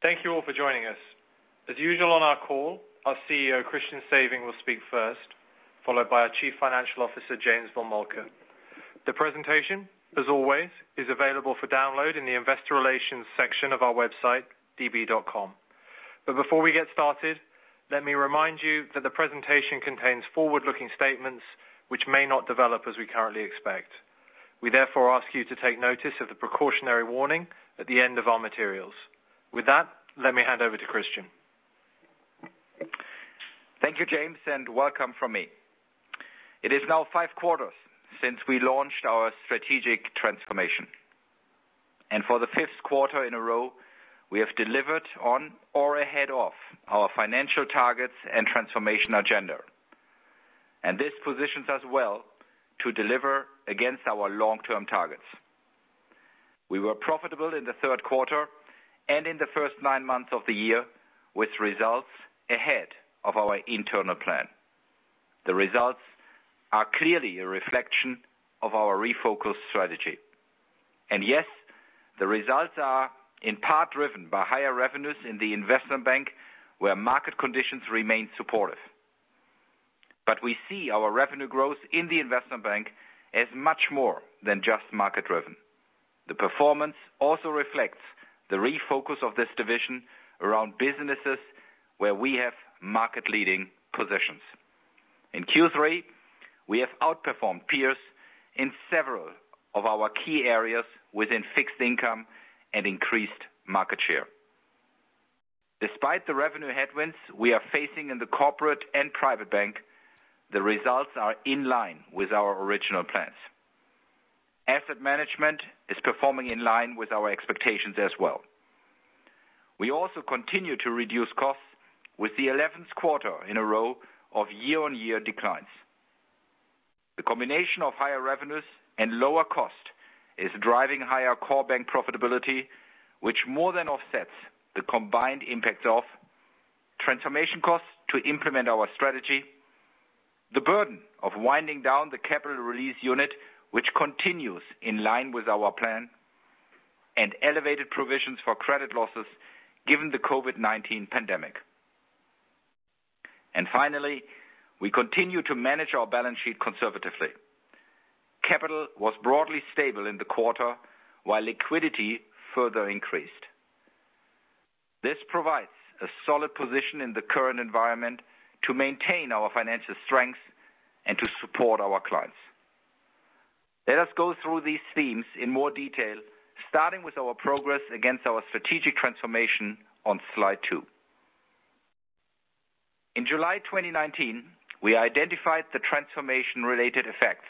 Thank you all for joining us. As usual on our call, our CEO, Christian Sewing, will speak first, followed by our Chief Financial Officer, James von Moltke. The presentation, as always, is available for download in the investor relations section of our website, db.com. Before we get started, let me remind you that the presentation contains forward-looking statements which may not develop as we currently expect. We therefore ask you to take notice of the precautionary warning at the end of our materials. With that, let me hand over to Christian. Thank you, James, and welcome from me. It is now five quarters since we launched our strategic transformation. For the fifth quarter in a row, we have delivered on or ahead of our financial targets and transformation agenda. This positions us well to deliver against our long-term targets. We were profitable in the third quarter and in the first nine months of the year, with results ahead of our internal plan. The results are clearly a reflection of our refocused strategy. Yes, the results are in part driven by higher revenues in the investment bank, where market conditions remain supportive. We see our revenue growth in the investment bank as much more than just market-driven. The performance also reflects the refocus of this division around businesses where we have market-leading positions. In Q3, we have outperformed peers in several of our key areas within fixed income and increased market share. Despite the revenue headwinds we are facing in the corporate and private bank, the results are in line with our original plans. Asset management is performing in line with our expectations as well. We also continue to reduce costs with the 11th quarter in a row of year-on-year declines. The combination of higher revenues and lower cost is driving higher core bank profitability, which more than offsets the combined impacts of transformation costs to implement our strategy, the burden of winding down the Capital Release Unit, which continues in line with our plan, and elevated provisions for credit losses given the COVID-19 pandemic. Finally, we continue to manage our balance sheet conservatively. Capital was broadly stable in the quarter, while liquidity further increased. This provides a solid position in the current environment to maintain our financial strength and to support our clients. Let us go through these themes in more detail, starting with our progress against our strategic transformation on slide two. In July 2019, we identified the transformation-related effects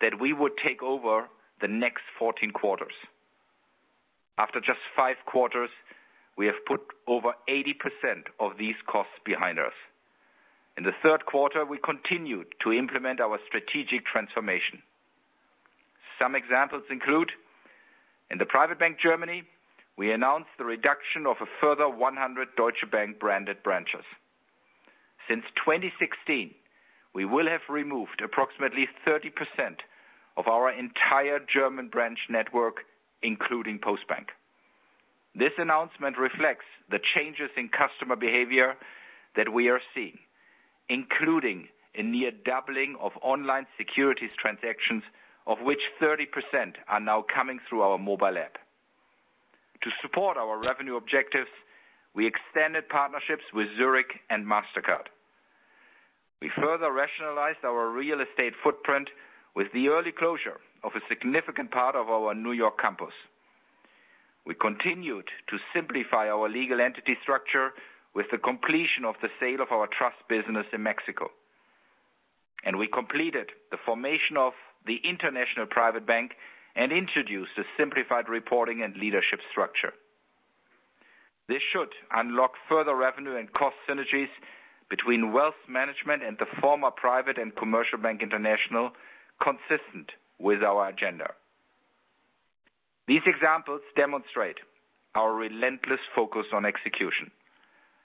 that we would take over the next 14 quarters. After just five quarters, we have put over 80% of these costs behind us. In the third quarter, we continued to implement our strategic transformation. Some examples include: in the Private Bank Germany, we announced the reduction of a further 100 Deutsche Bank branded branches. Since 2016, we will have removed approximately 30% of our entire German branch network, including Postbank. This announcement reflects the changes in customer behavior that we are seeing, including a near doubling of online securities transactions, of which 30% are now coming through our mobile app. To support our revenue objectives, we extended partnerships with Zurich and Mastercard. We further rationalized our real estate footprint with the early closure of a significant part of our New York campus. We continued to simplify our legal entity structure with the completion of the sale of our trust business in Mexico. We completed the formation of the International Private Bank and introduced a simplified reporting and leadership structure. This should unlock further revenue and cost synergies between wealth management and the former Private and Commercial Bank International, consistent with our agenda. These examples demonstrate our relentless focus on execution.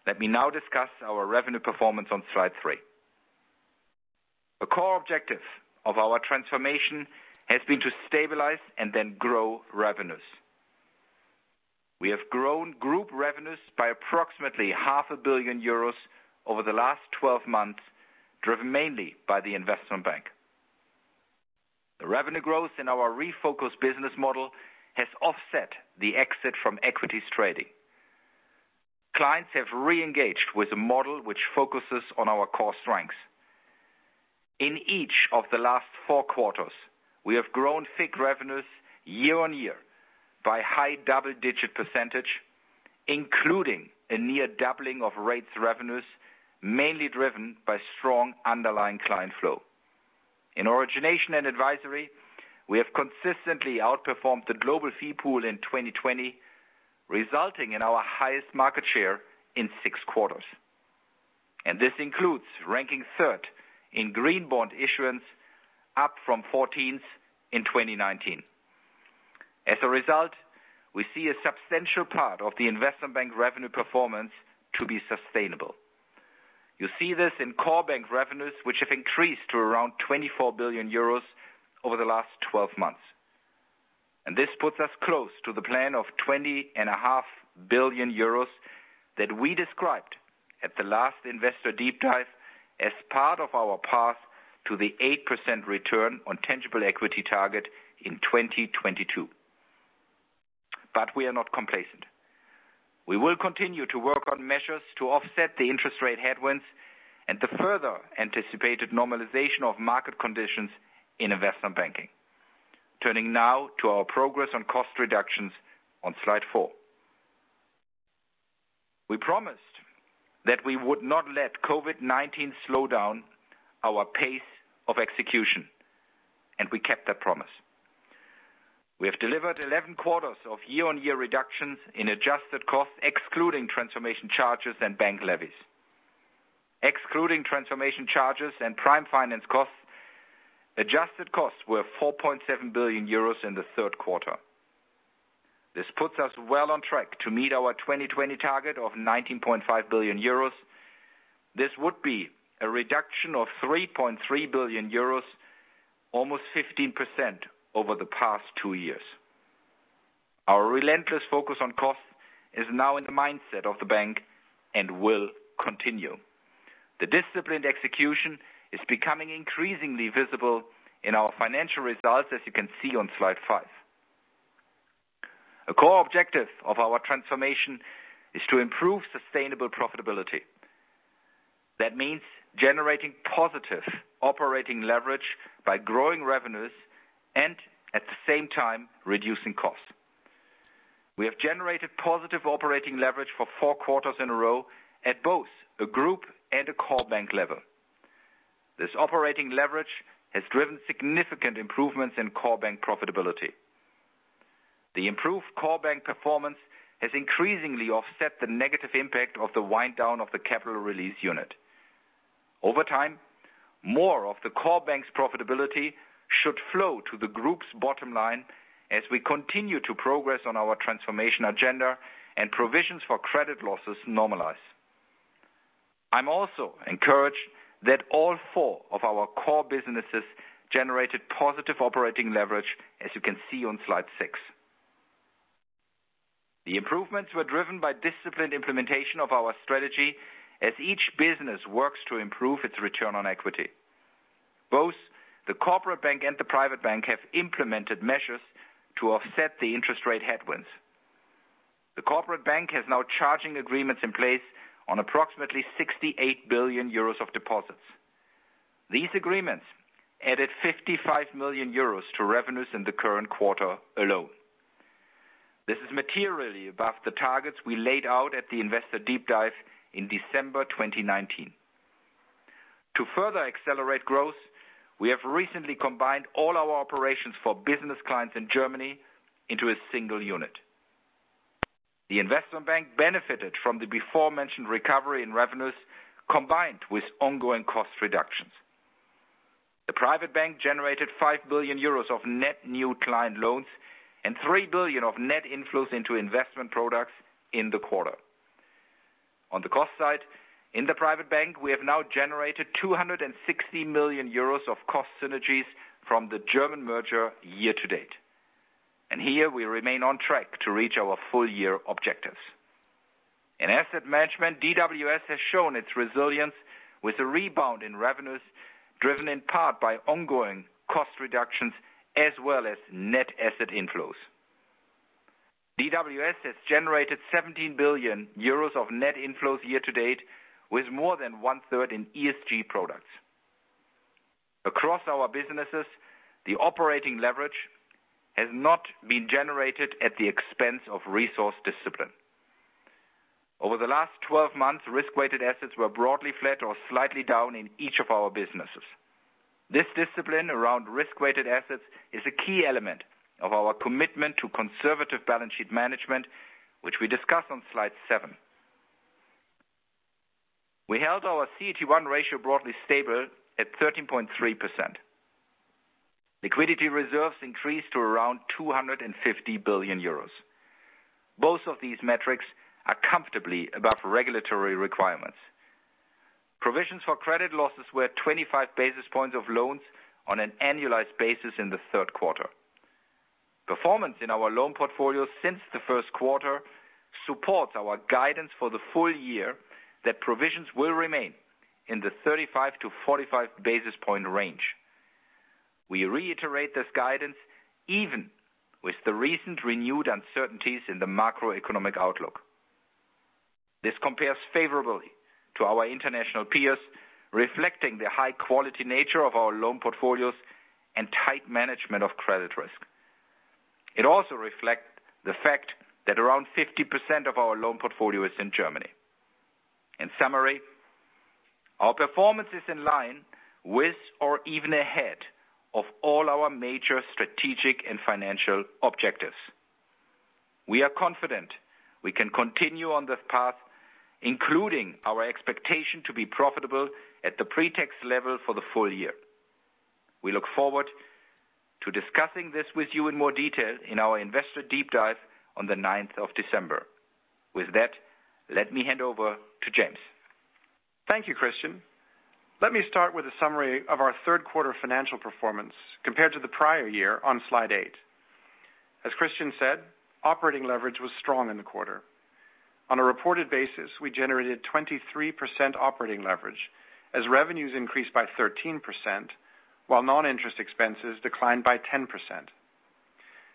Let me now discuss our revenue performance on slide three. A core objective of our transformation has been to stabilize and then grow revenues. We have grown group revenues by approximately 500 million euros over the last 12 months, driven mainly by the Investment Bank. The revenue growth in our refocused business model has offset the exit from equities trading. Clients have re-engaged with a model which focuses on our core strengths. In each of the last four quarters, we have grown FICC revenues year-on-year by high double-digit percentage, including a near doubling of rates revenues, mainly driven by strong underlying client flow. In Origination & Advisory, we have consistently outperformed the global fee pool in 2020, resulting in our highest market share in six quarters. This includes ranking third in green bond issuance, up from 14th in 2019. As a result, we see a substantial part of the Investment Bank revenue performance to be sustainable. You see this in core bank revenues, which have increased to around 24 billion euros over the last 12 months. This puts us close to the plan of 20.5 billion euros that we described at the last Investor Deep Dive as part of our path to the 8% return on tangible equity target in 2022. We are not complacent. We will continue to work on measures to offset the interest rate headwinds and the further anticipated normalization of market conditions in investment banking. Turning now to our progress on cost reductions on slide four. We promised that we would not let COVID-19 slow down our pace of execution, and we kept that promise. We have delivered 11 quarters of year-on-year reductions in adjusted costs, excluding transformation charges and bank levies. Excluding transformation charges and Prime Finance costs, adjusted costs were 4.7 billion euros in the third quarter. This puts us well on track to meet our 2020 target of 19.5 billion euros. This would be a reduction of 3.3 billion euros, almost 15% over the past two years. Our relentless focus on costs is now in the mindset of the bank and will continue. The disciplined execution is becoming increasingly visible in our financial results, as you can see on slide five. A core objective of our transformation is to improve sustainable profitability. That means generating positive operating leverage by growing revenues and at the same time reducing costs. We have generated positive operating leverage for four quarters in a row at both a group and a core bank level. This operating leverage has driven significant improvements in core bank profitability. The improved core bank performance has increasingly offset the negative impact of the wind down of the Capital Release Unit. Over time, more of the core bank's profitability should flow to the group's bottom line as we continue to progress on our transformation agenda and provisions for credit losses normalize. I'm also encouraged that all four of our core businesses generated positive operating leverage, as you can see on slide six. The improvements were driven by disciplined implementation of our strategy as each business works to improve its return on equity. Both the corporate bank and the private bank have implemented measures to offset the interest rate headwinds. The corporate bank has now charging agreements in place on approximately 68 billion euros of deposits. These agreements added 55 million euros to revenues in the current quarter alone. This is materially above the targets we laid out at the Investor Deep Dive in December 2019. To further accelerate growth, we have recently combined all our operations for business clients in Germany into a single unit. The Investment Bank benefited from the beforementioned recovery in revenues combined with ongoing cost reductions. The Private Bank generated 5 billion euros of net new client loans and 3 billion of net inflows into investment products in the quarter. On the cost side, in the Private Bank, we have now generated 260 million euros of cost synergies from the German merger year to date. Here we remain on track to reach our full-year objectives. In Asset Management, DWS has shown its resilience with a rebound in revenues driven in part by ongoing cost reductions as well as net asset inflows. DWS has generated EUR 17 billion of net inflows year to date, with more than 1/3 in ESG products. Across our businesses, the operating leverage has not been generated at the expense of resource discipline. Over the last 12 months, risk-weighted assets were broadly flat or slightly down in each of our businesses. This discipline around risk-weighted assets is a key element of our commitment to conservative balance sheet management, which we discuss on slide seven. We held our CET1 ratio broadly stable at 13.3%. Liquidity reserves increased to around 250 billion euros. Both of these metrics are comfortably above regulatory requirements. Provisions for credit losses were 25 basis points of loans on an annualized basis in the third quarter. Performance in our loan portfolio since the first quarter supports our guidance for the full year that provisions will remain in the 35-45 basis point range. We reiterate this guidance even with the recent renewed uncertainties in the macroeconomic outlook. This compares favorably to our international peers, reflecting the high-quality nature of our loan portfolios and tight management of credit risk. It also reflects the fact that around 50% of our loan portfolio is in Germany. In summary, our performance is in line with or even ahead of all our major strategic and financial objectives. We are confident we can continue on this path, including our expectation to be profitable at the pre-tax level for the full year. We look forward to discussing this with you in more detail in our Investor Deep Dive on the December 9th, 2020. With that, let me hand over to James. Thank you, Christian Sewing. Let me start with a summary of our third quarter financial performance compared to the prior year on slide eight. As Christian Sewing said, operating leverage was strong in the quarter. On a reported basis, we generated 23% operating leverage as revenues increased by 13%, while non-interest expenses declined by 10%.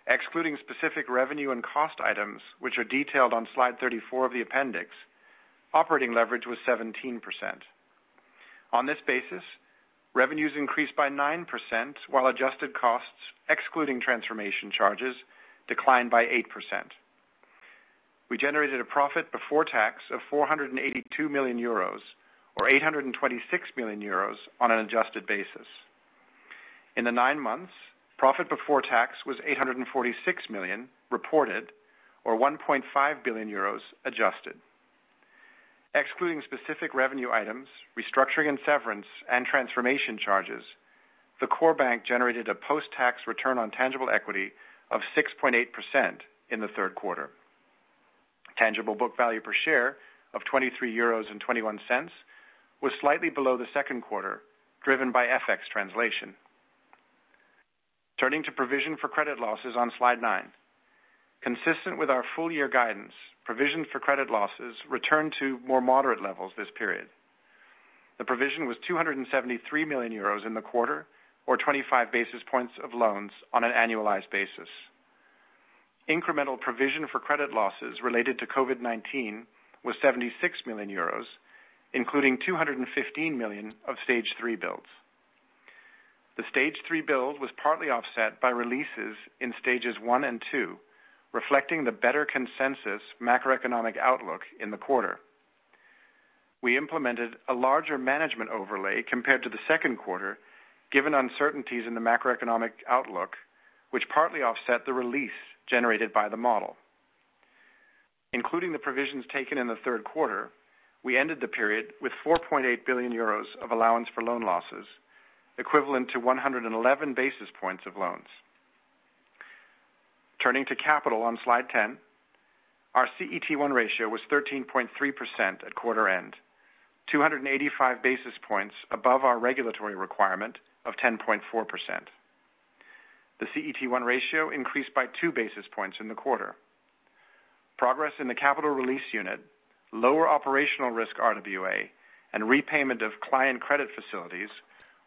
Excluding specific revenue and cost items, which are detailed on slide 34 of the appendix, operating leverage was 17%. On this basis, revenues increased by 9%, while adjusted costs, excluding transformation charges, declined by 8%. We generated a profit before tax of 482 million euros, or 826 million euros on an adjusted basis. In the nine months, profit before tax was 846 million reported or 1.5 billion euros adjusted. Excluding specific revenue items, restructuring and severance, and transformation charges, the core bank generated a post-tax return on tangible equity of 6.8% in the third quarter. Tangible book value per share of 23.21 euros was slightly below the second quarter, driven by FX translation. Turning to provision for credit losses on slide nine. Consistent with our full year guidance, provision for credit losses returned to more moderate levels this period. The provision was 273 million euros in the quarter, or 25 basis points of loans on an annualized basis. Incremental provision for credit losses related to COVID-19 was 76 million euros, including 215 million of stage 3 builds. The stage 3 build was partly offset by releases in stages 1 and 2, reflecting the better consensus macroeconomic outlook in the quarter. We implemented a larger management overlay compared to the second quarter, given uncertainties in the macroeconomic outlook, which partly offset the release generated by the model. Including the provisions taken in the third quarter, we ended the period with 4.8 billion euros of allowance for loan losses, equivalent to 111 basis points of loans. Turning to capital on slide 10. Our CET1 ratio was 13.3% at quarter end, 285 basis points above our regulatory requirement of 10.4%. The CET1 ratio increased by two basis points in the quarter. Progress in the Capital Release Unit, lower operational risk RWA, and repayment of client credit facilities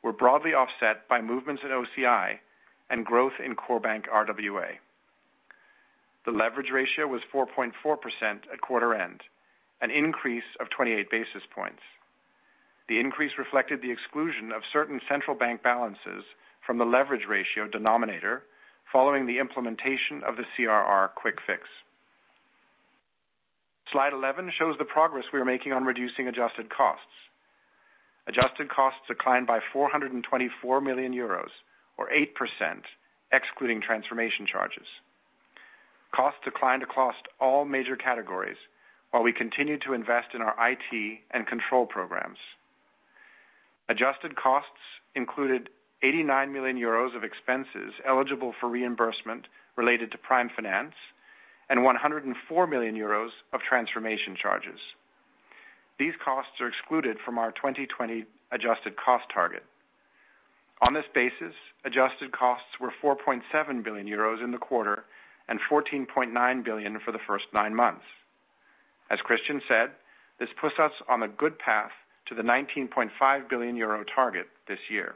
were broadly offset by movements in OCI and growth in core bank RWA. The leverage ratio was 4.4% at quarter end, an increase of 28 basis points. The increase reflected the exclusion of certain central bank balances from the leverage ratio denominator following the implementation of the CRR quick fix. Slide 11 shows the progress we are making on reducing adjusted costs. Adjusted costs declined by 424 million euros, or 8%, excluding transformation charges. Costs declined across all major categories while we continued to invest in our IT and control programs. Adjusted costs included 89 million euros of expenses eligible for reimbursement related to Prime Finance and 104 million euros of transformation charges. These costs are excluded from our 2020 adjusted cost target. On this basis, adjusted costs were 4.7 billion euros in the quarter and 14.9 billion for the first nine months. As Christian said, this puts us on a good path to the 19.5 billion euro target this year.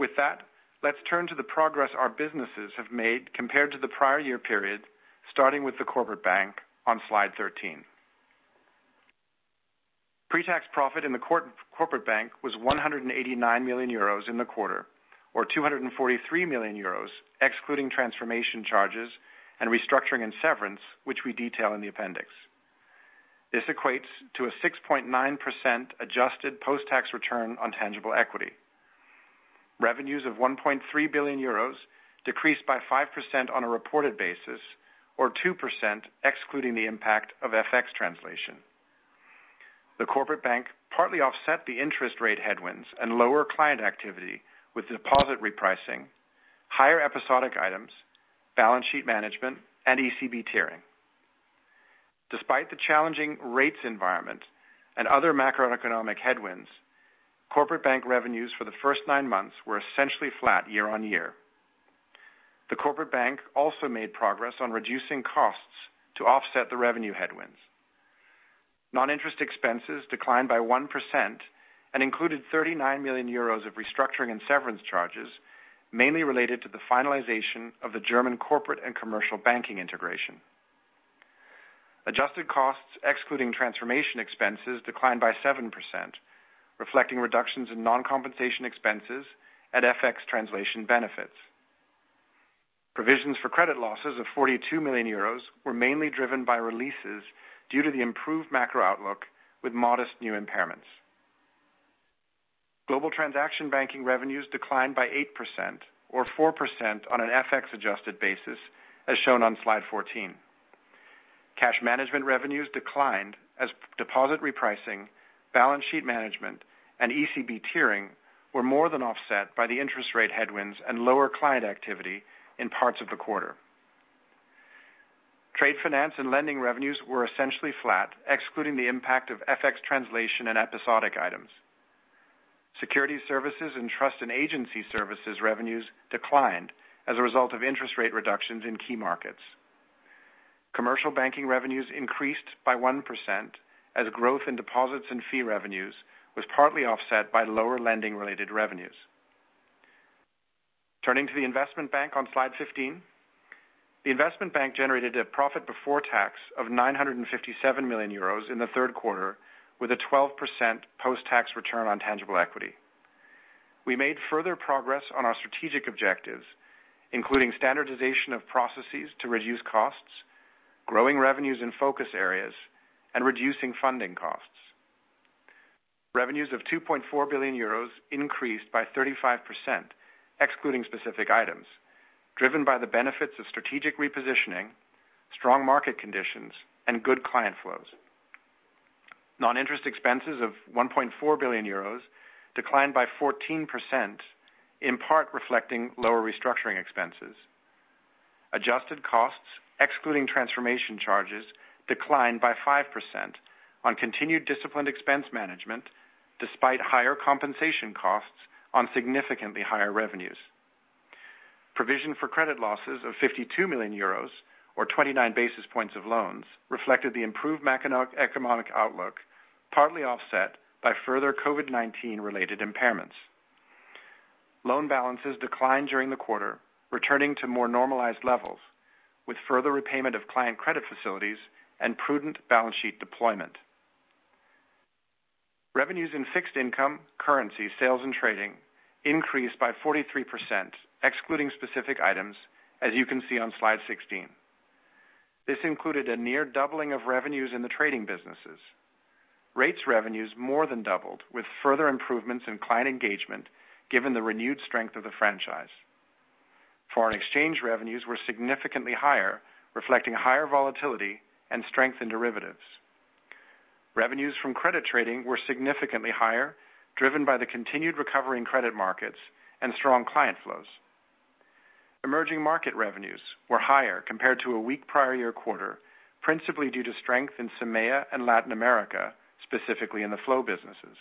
Let's turn to the progress our businesses have made compared to the prior year period, starting with the Corporate Bank on slide 13. Pre-tax profit in the Corporate Bank was 189 million euros in the quarter, or 243 million euros excluding transformation charges and restructuring and severance, which we detail in the appendix. This equates to a 6.9% adjusted post-tax return on tangible equity. Revenues of 1.3 billion euros decreased by 5% on a reported basis, or 2% excluding the impact of FX translation. The Corporate Bank partly offset the interest rate headwinds and lower client activity with deposit repricing, higher episodic items, balance sheet management, and ECB tiering. Despite the challenging rates environment and other macroeconomic headwinds, Corporate Bank revenues for the first nine months were essentially flat year-on-year. The Corporate Bank also made progress on reducing costs to offset the revenue headwinds. Non-interest expenses declined by 1% and included 39 million euros of restructuring and severance charges, mainly related to the finalization of the German corporate and commercial banking integration. Adjusted costs, excluding transformation expenses, declined by 7%, reflecting reductions in non-compensation expenses and FX translation benefits. Provisions for credit losses of 42 million euros were mainly driven by releases due to the improved macro outlook with modest new impairments. Global transaction banking revenues declined by 8%, or 4% on an FX adjusted basis, as shown on slide 14. Cash management revenues declined as deposit repricing, balance sheet management, and ECB tiering were more than offset by the interest rate headwinds and lower client activity in parts of the quarter. Trade finance and lending revenues were essentially flat, excluding the impact of FX translation and episodic items. Securities services and trust and agency services revenues declined as a result of interest rate reductions in key markets. Commercial banking revenues increased by 1% as growth in deposits and fee revenues was partly offset by lower lending-related revenues. Turning to the Investment Bank on slide 15. The Investment Bank generated a profit before tax of 957 million euros in the third quarter, with a 12% post-tax return on tangible equity. We made further progress on our strategic objectives, including standardization of processes to reduce costs, growing revenues in focus areas, and reducing funding costs. Revenues of 2.4 billion euros increased by 35%, excluding specific items, driven by the benefits of strategic repositioning, strong market conditions, and good client flows. Non-interest expenses of 1.4 billion euros declined by 14%, in part reflecting lower restructuring expenses. Adjusted costs, excluding transformation charges, declined by 5% on continued disciplined expense management, despite higher compensation costs on significantly higher revenues. Provision for credit losses of 52 million euros, or 29 basis points of loans, reflected the improved macroeconomic outlook, partly offset by further COVID-19 related impairments. Loan balances declined during the quarter, returning to more normalized levels, with further repayment of client credit facilities and prudent balance sheet deployment. Revenues in Fixed Income, Currency, Sales and Trading increased by 43%, excluding specific items, as you can see on slide 16. This included a near 2x of revenues in the trading businesses. Rates revenues more than doubled, with further improvements in client engagement given the renewed strength of the franchise. Foreign exchange revenues were significantly higher, reflecting higher volatility and strength in derivatives. Revenues from credit trading were significantly higher, driven by the continued recovery in credit markets and strong client flows. Emerging market revenues were higher compared to a weak prior year quarter, principally due to strength in EMEA and Latin America, specifically in the flow businesses.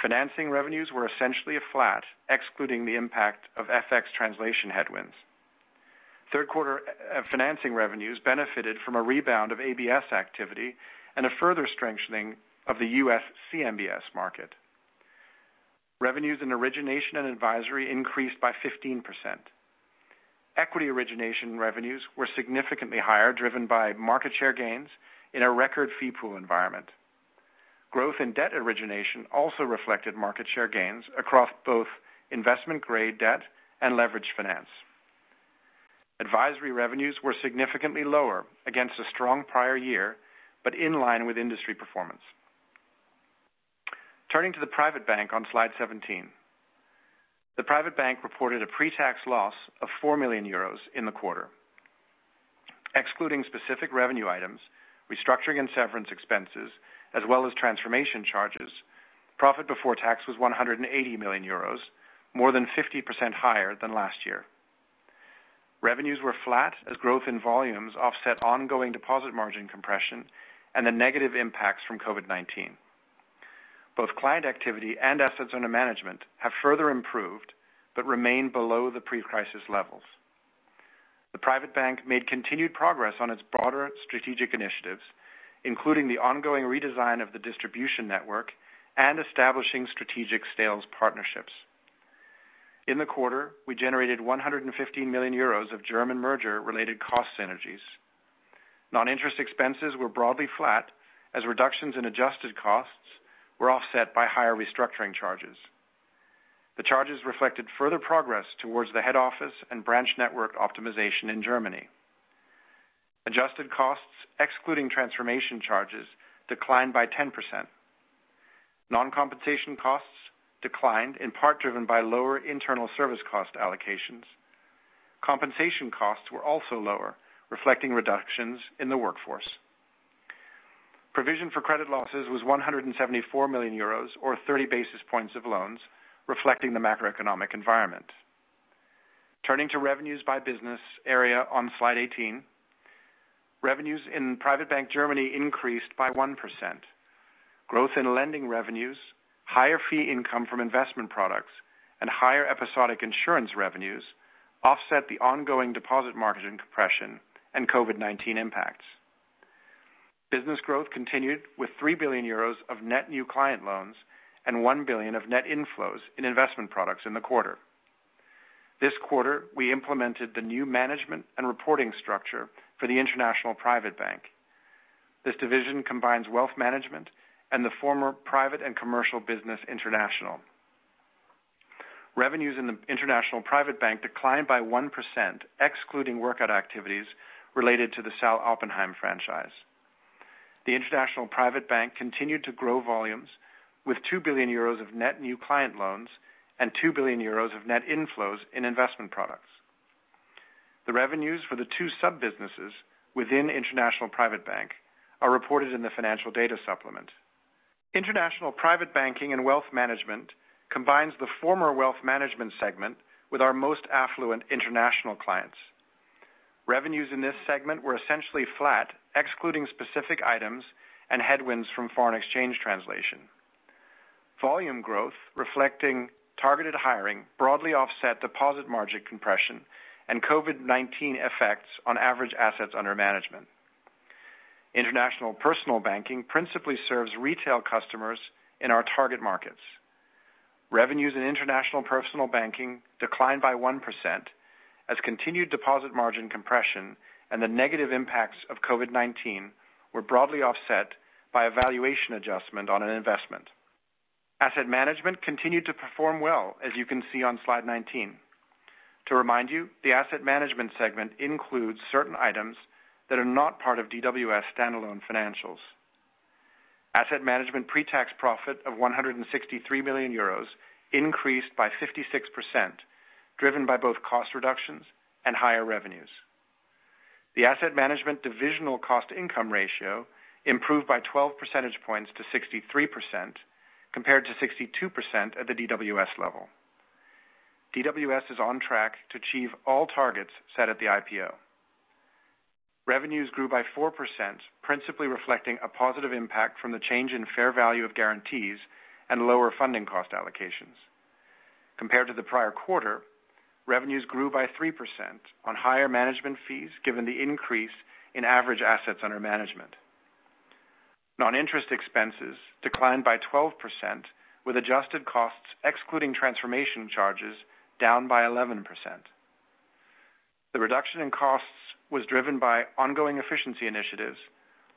Financing revenues were essentially flat, excluding the impact of FX translation headwinds. Third quarter financing revenues benefited from a rebound of ABS activity and a further strengthening of the U.S. CMBS market. Revenues in Origination & Advisory increased by 15%. Equity origination revenues were significantly higher, driven by market share gains in a record fee pool environment. Growth in debt origination also reflected market share gains across both investment-grade debt and leveraged finance. Advisory revenues were significantly lower against a strong prior year, but in line with industry performance. Turning to the Private Bank on slide 17. The Private Bank reported a pre-tax loss of 4 million euros in the quarter. Excluding specific revenue items, restructuring and severance expenses, as well as transformation charges, profit before tax was 180 million euros, more than 50% higher than last year. Revenues were flat as growth in volumes offset ongoing deposit margin compression and the negative impacts from COVID-19. Both client activity and assets under management have further improved but remain below the pre-crisis levels. The private bank made continued progress on its broader strategic initiatives, including the ongoing redesign of the distribution network and establishing strategic sales partnerships. In the quarter, we generated 115 million euros of German merger-related cost synergies. Non-interest expenses were broadly flat as reductions in adjusted costs were offset by higher restructuring charges. The charges reflected further progress towards the head office and branch network optimization in Germany. Adjusted costs, excluding transformation charges, declined by 10%. Non-compensation costs declined, in part driven by lower internal service cost allocations. Compensation costs were also lower, reflecting reductions in the workforce. Provision for credit losses was 174 million euros, or 30 basis points of loans, reflecting the macroeconomic environment. Turning to revenues by business area on slide 18. Revenues in Private Bank Germany increased by 1%. Growth in lending revenues, higher fee income from investment products, and higher episodic insurance revenues offset the ongoing deposit margin compression and COVID-19 impacts. Business growth continued with 3 billion euros of net new client loans and 1 billion of net inflows in investment products in the quarter. This quarter, we implemented the new management and reporting structure for the International Private Bank. This division combines wealth management and the former private and commercial business international. Revenues in the International Private Bank declined by 1%, excluding workout activities related to the Sal. Oppenheim franchise. The International Private Bank continued to grow volumes with 2 billion euros of net new client loans and 2 billion euros of net inflows in investment products. The revenues for the two sub-businesses within International Private Bank are reported in the financial data supplement. International Private Banking and Wealth Management combines the former Wealth Management segment with our most affluent international clients. Revenues in this segment were essentially flat, excluding specific items and headwinds from foreign exchange translation. Volume growth, reflecting targeted hiring, broadly offset deposit margin compression and COVID-19 effects on average assets under management. International Personal Banking principally serves retail customers in our target markets. Revenues in International Personal Banking declined by 1% as continued deposit margin compression and the negative impacts of COVID-19 were broadly offset by a valuation adjustment on an investment. Asset management continued to perform well, as you can see on slide 19. To remind you, the asset management segment includes certain items that are not part of DWS standalone financials. Asset management pre-tax profit of 163 million euros increased by 56%, driven by both cost reductions and higher revenues. The asset management divisional cost-income ratio improved by 12 percentage points to 63%, compared to 62% at the DWS level. DWS is on track to achieve all targets set at the IPO. Revenues grew by 4%, principally reflecting a positive impact from the change in fair value of guarantees and lower funding cost allocations. Compared to the prior quarter, revenues grew by 3% on higher management fees, given the increase in average assets under management. Non-interest expenses declined by 12%, with adjusted costs excluding transformation charges down by 11%. The reduction in costs was driven by ongoing efficiency initiatives,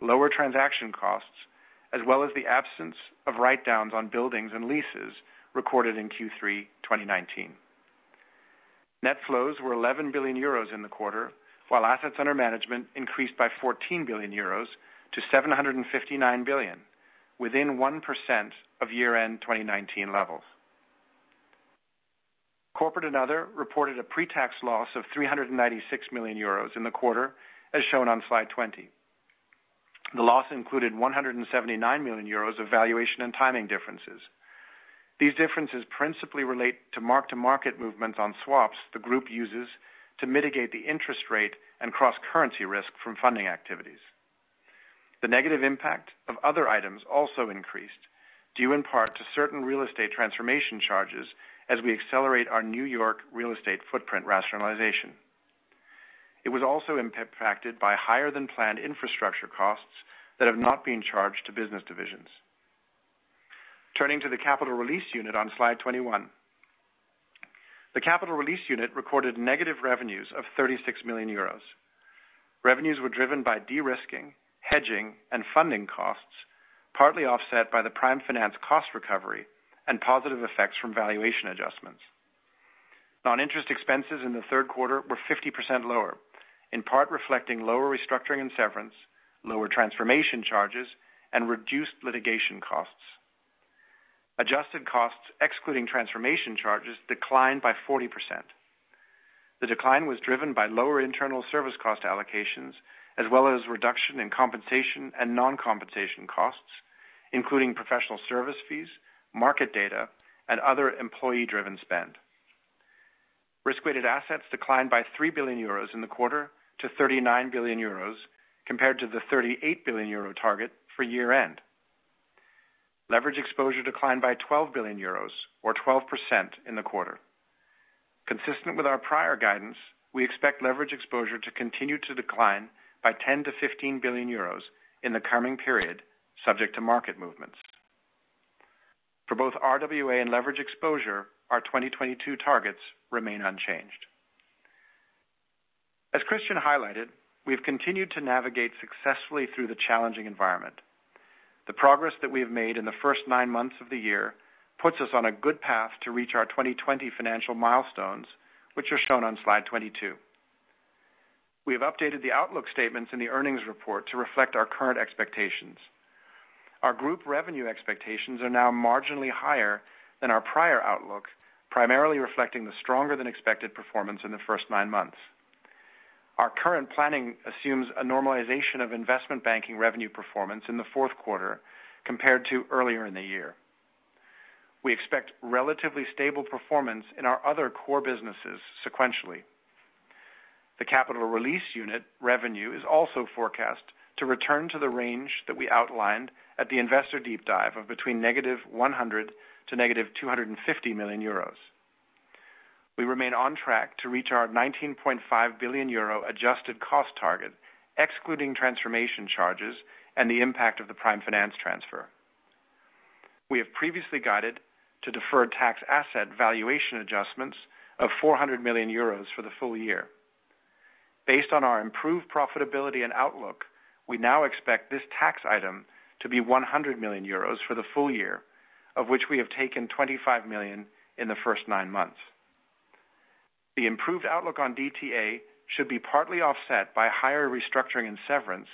lower transaction costs, as well as the absence of write-downs on buildings and leases recorded in Q3 2019. Net flows were 11 billion euros in the quarter, while assets under management increased by 14 billion euros to 759 billion, within 1% of year-end 2019 levels. Corporate and Other reported a pre-tax loss of 396 million euros in the quarter, as shown on slide 20. The loss included 179 million euros of valuation and timing differences. These differences principally relate to mark-to-market movements on swaps the group uses to mitigate the interest rate and cross-currency risk from funding activities. The negative impact of other items also increased, due in part to certain real estate transformation charges as we accelerate our New York real estate footprint rationalization. It was also impacted by higher-than-planned infrastructure costs that have not been charged to business divisions. Turning to the Capital Release Unit on slide 21. The Capital Release Unit recorded negative revenues of 36 million euros. Revenues were driven by de-risking, hedging, and funding costs, partly offset by the Prime Finance cost recovery and positive effects from valuation adjustments. Non-interest expenses in the third quarter were 50% lower, in part reflecting lower restructuring and severance, lower transformation charges, and reduced litigation costs. Adjusted costs, excluding transformation charges, declined by 40%. The decline was driven by lower internal service cost allocations, as well as reduction in compensation and non-compensation costs, including professional service fees, market data, and other employee-driven spend. Risk-weighted assets declined by 3 billion euros in the quarter to 39 billion euros, compared to the 38 billion euro target for year-end. Leverage exposure declined by 12 billion euros or 12% in the quarter. Consistent with our prior guidance, we expect leverage exposure to continue to decline by 10 billion-15 billion euros in the coming period, subject to market movements. For both RWA and leverage exposure, our 2022 targets remain unchanged. As Christian highlighted, we've continued to navigate successfully through the challenging environment. The progress that we have made in the first nine months of the year puts us on a good path to reach our 2020 financial milestones, which are shown on slide 22. We have updated the outlook statements in the earnings report to reflect our current expectations. Our group revenue expectations are now marginally higher than our prior outlook, primarily reflecting the stronger-than-expected performance in the first nine months. Our current planning assumes a normalization of investment banking revenue performance in the fourth quarter compared to earlier in the year. We expect relatively stable performance in our other core businesses sequentially. The Capital Release Unit revenue is also forecast to return to the range that we outlined at the Investor Deep Dive of between -100 million to -250 million euros. We remain on track to reach our 19.5 billion euro adjusted cost target, excluding transformation charges and the impact of the Prime Finance transfer. We have previously guided to deferred tax asset valuation adjustments of 400 million euros for the full year. Based on our improved profitability and outlook, we now expect this tax item to be 100 million euros for the full year, of which we have taken 25 million in the first nine months. The improved outlook on DTA should be partly offset by higher restructuring and severance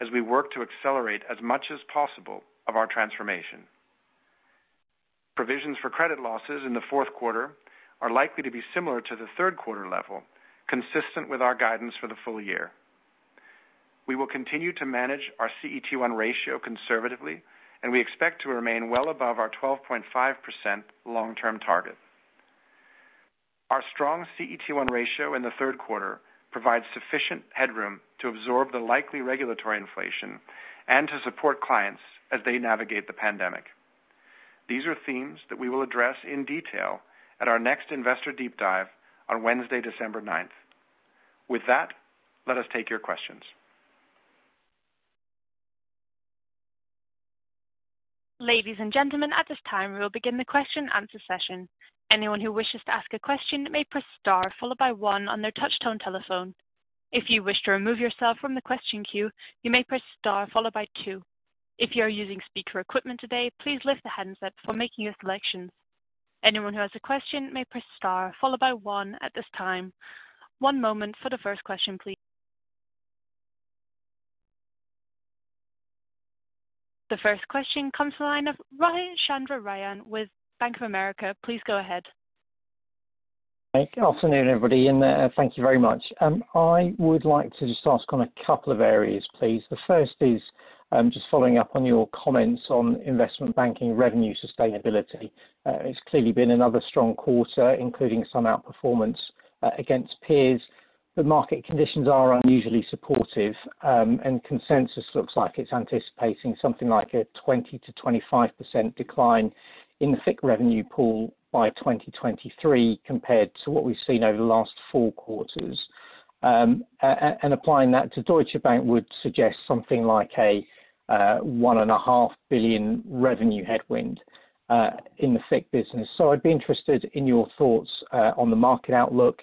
as we work to accelerate as much as possible of our transformation. Provisions for credit losses in the fourth quarter are likely to be similar to the third quarter level, consistent with our guidance for the full year. We will continue to manage our CET1 ratio conservatively, and we expect to remain well above our 12.5% long-term target. Our strong CET1 ratio in the third quarter provides sufficient headroom to absorb the likely regulatory inflation and to support clients as they navigate the pandemic. These are themes that we will address in detail at our next Investor Deep Dive on Wednesday, December 9th, 2020. With that, let us take your questions. Ladies and gentlemen, at this time, we will begin the question and answer session. One moment for the first question, please. The first question comes to the line of Rohith Chandra-Rajan with Bank of America. Please go ahead. Good afternoon, everybody, and thank you very much. I would like to just ask on a couple of areas, please. The first is just following up on your comments on investment banking revenue sustainability. It's clearly been another strong quarter, including some outperformance against peers. The market conditions are unusually supportive, and consensus looks like it's anticipating something like a 20%-25% decline in the FICC revenue pool by 2023 compared to what we've seen over the last four quarters. Applying that to Deutsche Bank would suggest something like a one and a half billion revenue headwind in the FICC business. I'd be interested in your thoughts on the market outlook,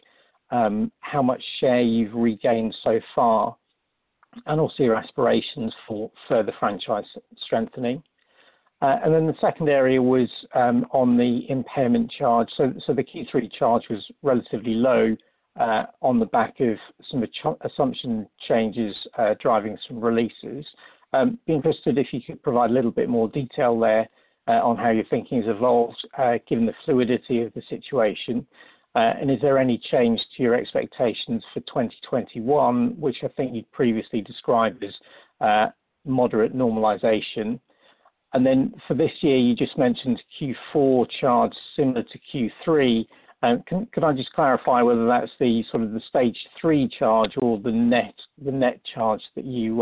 how much share you've regained so far, and also your aspirations for further franchise strengthening. The second area was on the impairment charge. The Q3 charge was relatively low on the back of some assumption changes driving some releases. Be interested if you could provide a little bit more detail there on how your thinking has evolved given the fluidity of the situation. Is there any change to your expectations for 2021, which I think you previously described as moderate normalization? For this year, you just mentioned Q4 charge similar to Q3. Can I just clarify whether that's the stage 3 charge or the net charge that you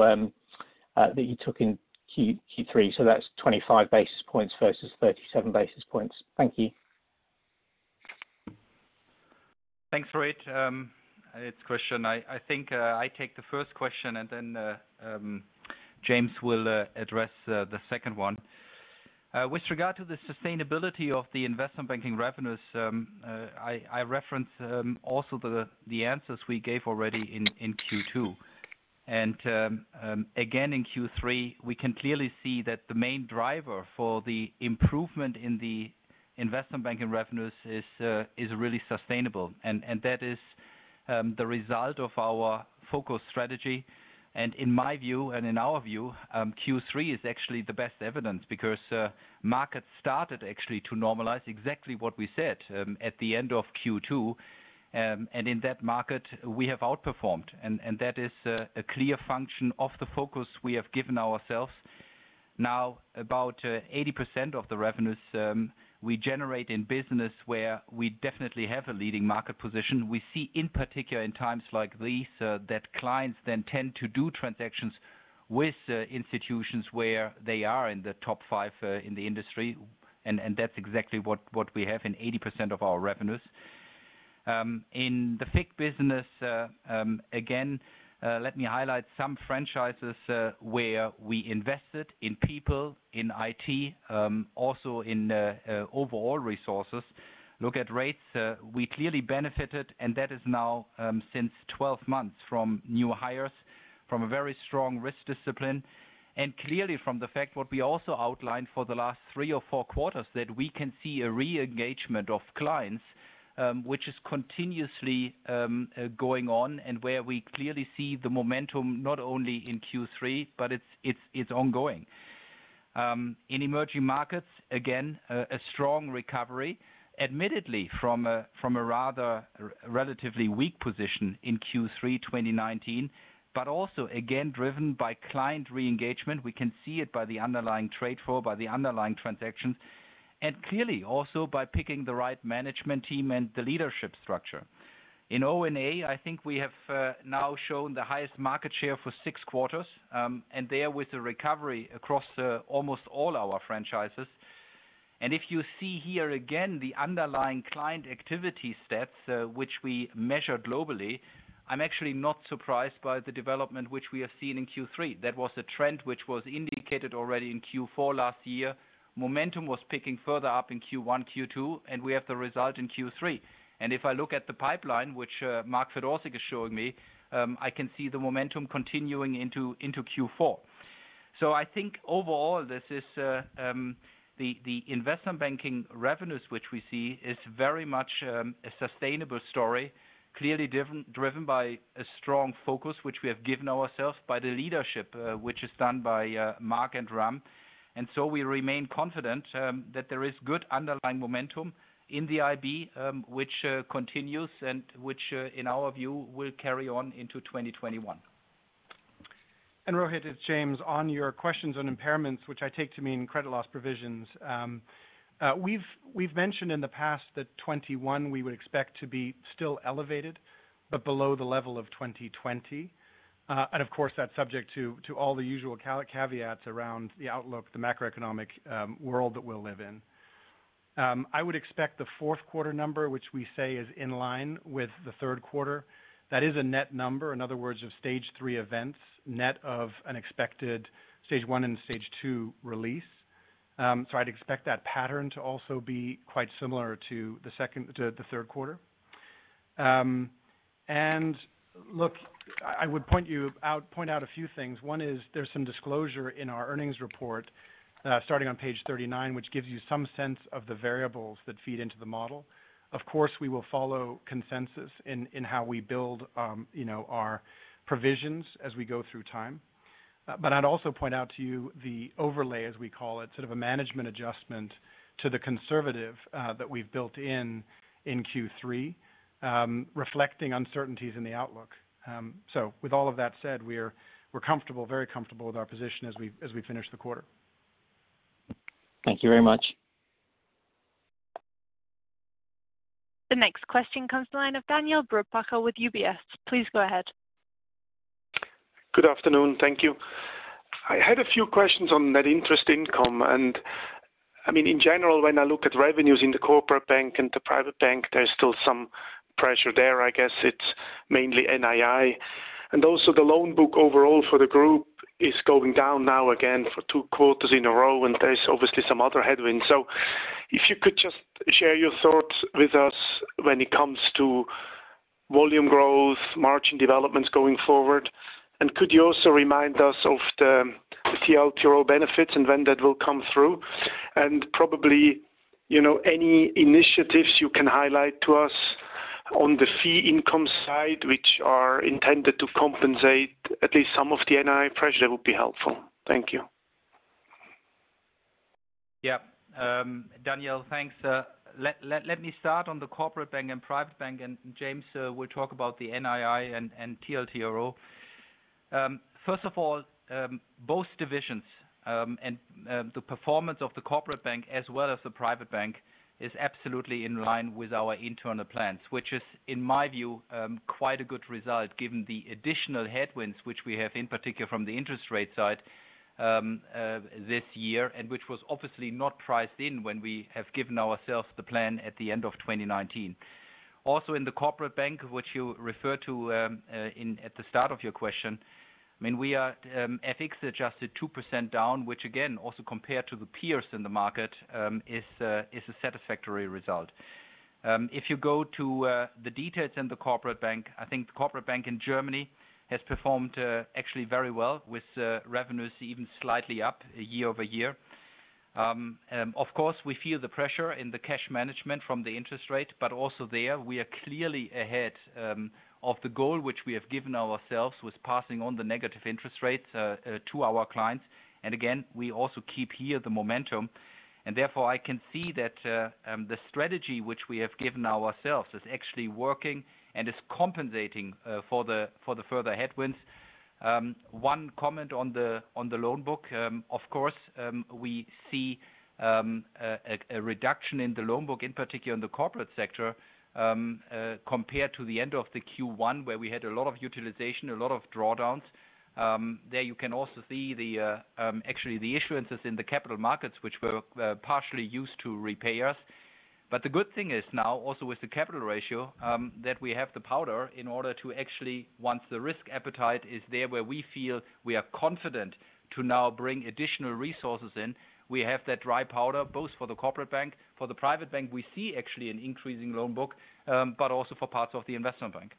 took in Q3? That's 25 basis points versus 37 basis points. Thank you. Thanks Rohith, Christian. I think I take the first question and then James will address the second one. With regard to the sustainability of the investment banking revenues, I reference also the answers we gave already in Q2. Again, in Q3, we can clearly see that the main driver for the improvement in the investment banking revenues is really sustainable. That is the result of our focus strategy. In my view, and in our view, Q3 is actually the best evidence because markets started actually to normalize exactly what we said at the end of Q2. In that market, we have outperformed, and that is a clear function of the focus we have given ourselves. Now, about 80% of the revenues we generate in business where we definitely have a leading market position. We see in particular in times like these, that clients then tend to do transactions with institutions where they are in the top five in the industry, and that's exactly what we have in 80% of our revenues. In the FICC business, again, let me highlight some franchises where we invested in people, in IT, also in overall resources. Look at rates, we clearly benefited, and that is now since 12 months from new hires, from a very strong risk discipline. Clearly from the fact what we also outlined for the last three or four quarters, that we can see a re-engagement of clients, which is continuously going on and where we clearly see the momentum not only in Q3, but it's ongoing. In emerging markets, again, a strong recovery, admittedly from a rather relatively weak position in Q3 2019, also again, driven by client re-engagement. We can see it by the underlying trade flow, by the underlying transactions, and clearly also by picking the right management team and the leadership structure. In O&A, I think we have now shown the highest market share for six quarters, and there with the recovery across almost all our franchises. If you see here again, the underlying client activity stats, which we measure globally, I'm actually not surprised by the development which we have seen in Q3. That was a trend which was indicated already in Q4 last year. Momentum was picking further up in Q1, Q2, and we have the result in Q3. If I look at the pipeline, which Mark Fedorcik is showing me, I can see the momentum continuing into Q4. So I think overall, the Investment Banking revenues which we see is very much a sustainable story, clearly driven by a strong focus which we have given ourselves by the leadership, which is done by Mark and Ram. We remain confident that there is good underlying momentum in the IB, which continues and which, in our view, will carry on into 2021. Rohit, it's James. On your questions on impairments, which I take to mean credit loss provisions, we've mentioned in the past that 2021 we would expect to be still elevated, but below the level of 2020. Of course, that's subject to all the usual caveats around the outlook, the macroeconomic world that we'll live in. I would expect the fourth quarter number, which we say is in line with the third quarter. That is a net number, in other words, of stage 3 events, net of an expected stage 1 and stage 2 release. I'd expect that pattern to also be quite similar to the third quarter. Look, I would point out a few things. One is there's some disclosure in our earnings report, starting on page 39, which gives you some sense of the variables that feed into the model. Of course, we will follow consensus in how we build our provisions as we go through time. I'd also point out to you the overlay, as we call it, sort of a management adjustment to the conservative that we've built in in Q3, reflecting uncertainties in the outlook. With all of that said, we're very comfortable with our position as we finish the quarter. Thank you very much. The next question comes to the line of Daniele Brupbacher with UBS. Please go ahead. Good afternoon. Thank you. I had a few questions on net interest income. In general, when I look at revenues in the corporate bank and the private bank, there's still some pressure there. I guess it's mainly NII. Also, the loan book overall for the group is going down now again for two quarters in a row, and there's obviously some other headwinds. If you could just share your thoughts with us when it comes to volume growth, margin developments going forward, and could you also remind us of the TLTRO benefits and when that will come through? Probably any initiatives you can highlight to us on the fee income side, which are intended to compensate at least some of the NII pressure would be helpful. Thank you. Yeah, Daniele, thanks. Let me start on the Corporate Bank and Private Bank. James will talk about the NII and TLTRO. First of all, both divisions and the performance of the Corporate Bank as well as the Private Bank is absolutely in line with our internal plans, which is, in my view, quite a good result given the additional headwinds which we have in particular from the interest rate side this year. Which was obviously not priced in when we have given ourselves the plan at the end of 2019. In the Corporate Bank, which you referred to at the start of your question, we are FX-adjusted 2% down, which again, also compared to the peers in the market, is a satisfactory result. If you go to the details in the Corporate Bank, I think the Corporate Bank in Germany has performed actually very well, with revenues even slightly up year-over-year. We feel the pressure in the cash management from the interest rate, but also there we are clearly ahead of the goal which we have given ourselves with passing on the negative interest rates to our clients. Again, we also keep here the momentum. Therefore, I can see that the strategy which we have given ourselves is actually working and is compensating for the further headwinds. One comment on the loan book. We see a reduction in the loan book, in particular in the corporate sector, compared to the end of the Q1, where we had a lot of utilization, a lot of drawdowns. There you can also see actually the issuances in the capital markets, which were partially used to repay us. The good thing is now, also with the capital ratio, that we have the powder in order to actually, once the risk appetite is there, where we feel we are confident to now bring additional resources in. We have that dry powder both for the Corporate Bank, for the Private Bank we see actually an increasing loan book, but also for parts of the Investment Bank.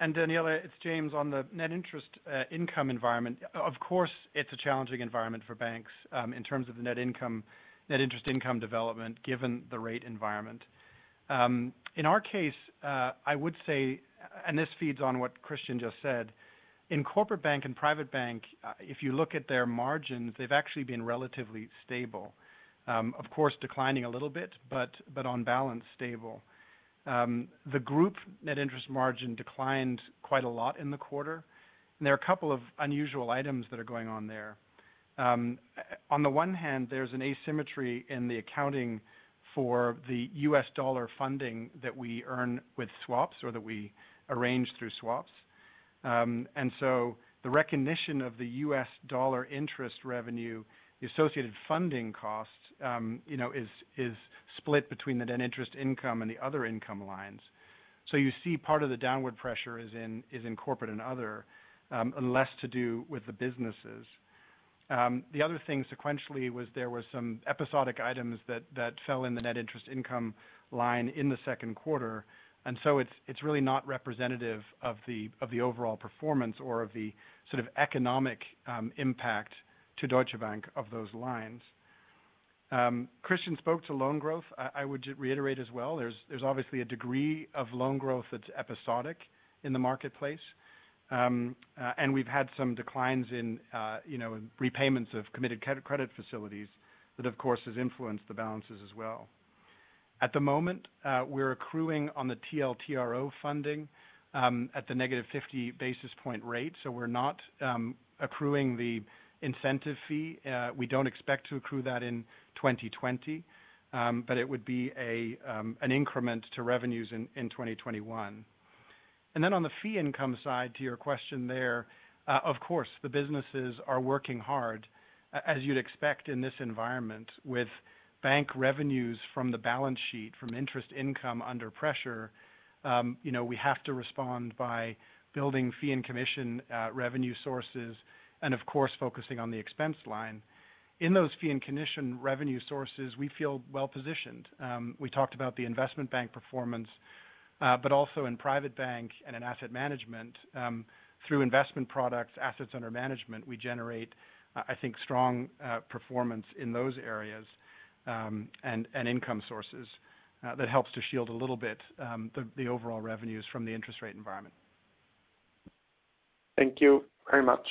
Daniele, it's James. On the net interest income environment, of course it's a challenging environment for banks in terms of the net interest income development given the rate environment. In our case, I would say, and this feeds on what Christian just said, in Corporate Bank and Private Bank, if you look at their margins, they've actually been relatively stable. Of course, declining a little bit, but on balance, stable. The group net interest margin declined quite a lot in the quarter, and there are a couple of unusual items that are going on there. On the one hand, there's an asymmetry in the accounting for the U.S. dollar funding that we earn with swaps or that we arrange through swaps. The recognition of the U.S. dollar interest revenue, the associated funding costs, is split between the net interest income and the other income lines. You see part of the downward pressure is in corporate and other, and less to do with the businesses. The other thing sequentially was there were some episodic items that fell in the net interest income line in the second quarter. It's really not representative of the overall performance or of the sort of economic impact to Deutsche Bank of those lines. Christian spoke to loan growth. I would just reiterate as well, there's obviously a degree of loan growth that's episodic in the marketplace. We've had some declines in repayments of committed credit facilities that of course, has influenced the balances as well. At the moment, we're accruing on the TLTRO funding at the -50 basis point rate. We're not accruing the incentive fee. We don't expect to accrue that in 2020. It would be an increment to revenues in 2021. On the fee income side, to your question there, of course, the businesses are working hard, as you'd expect in this environment, with bank revenues from the balance sheet, from interest income under pressure. We have to respond by building fee and commission revenue sources, and of course, focusing on the expense line. In those fee and commission revenue sources, we feel well-positioned. We talked about the Investment Bank performance, but also in Private Bank and in Asset Management, through investment products, assets under management, we generate, I think, strong performance in those areas, and income sources that helps to shield a little bit the overall revenues from the interest rate environment. Thank you very much.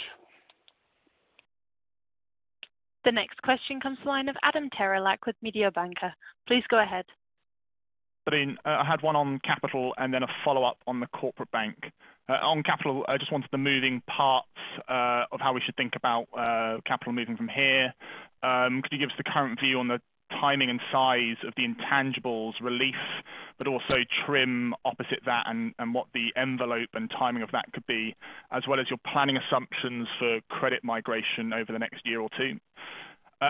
The next question comes to the line of Adam Terelak with Mediobanca. Please go ahead. Brean, I had one on capital, then a follow-up on the corporate bank. On capital, I just wanted the moving parts of how we should think about capital moving from here. Could you give us the current view on the timing and size of the intangibles release, also TRIM opposite that and what the envelope and timing of that could be, as well as your planning assumptions for credit migration over the next year or two?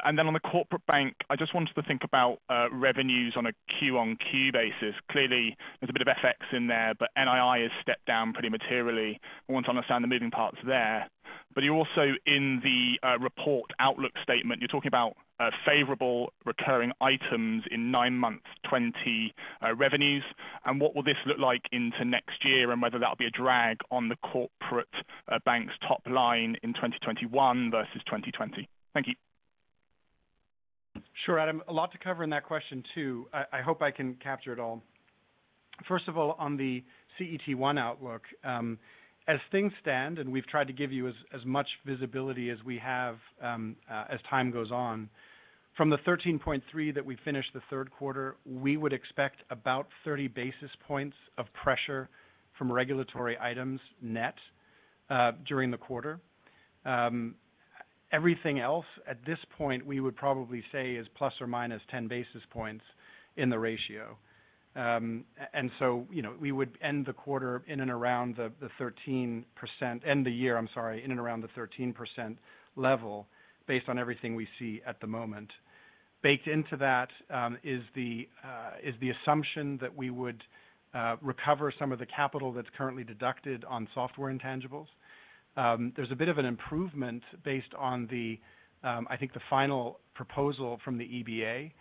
On the corporate bank, I just wanted to think about revenues on a quarter on quarter basis. Clearly, there's a bit of FX in there, NII has stepped down pretty materially. I want to understand the moving parts there. You also in the report outlook statement, you're talking about favorable recurring items in nine-month 2020 revenues, and what will this look like into next year, and whether that'll be a drag on the corporate bank's top line in 2021 versus 2020? Thank you. Sure, Adam. A lot to cover in that question, too. I hope I can capture it all. First of all, on the CET1 outlook, as things stand, and we've tried to give you as much visibility as we have as time goes on, from the 13.3% that we finished the third quarter, we would expect about 30 basis points of pressure from regulatory items net during the quarter. Everything else, at this point, we would probably say is ±10 basis points in the ratio. We would end the year in and around the 13% level based on everything we see at the moment. Baked into that is the assumption that we would recover some of the capital that's currently deducted on software intangibles. There's a bit of an improvement based on, I think, the final proposal from the EBA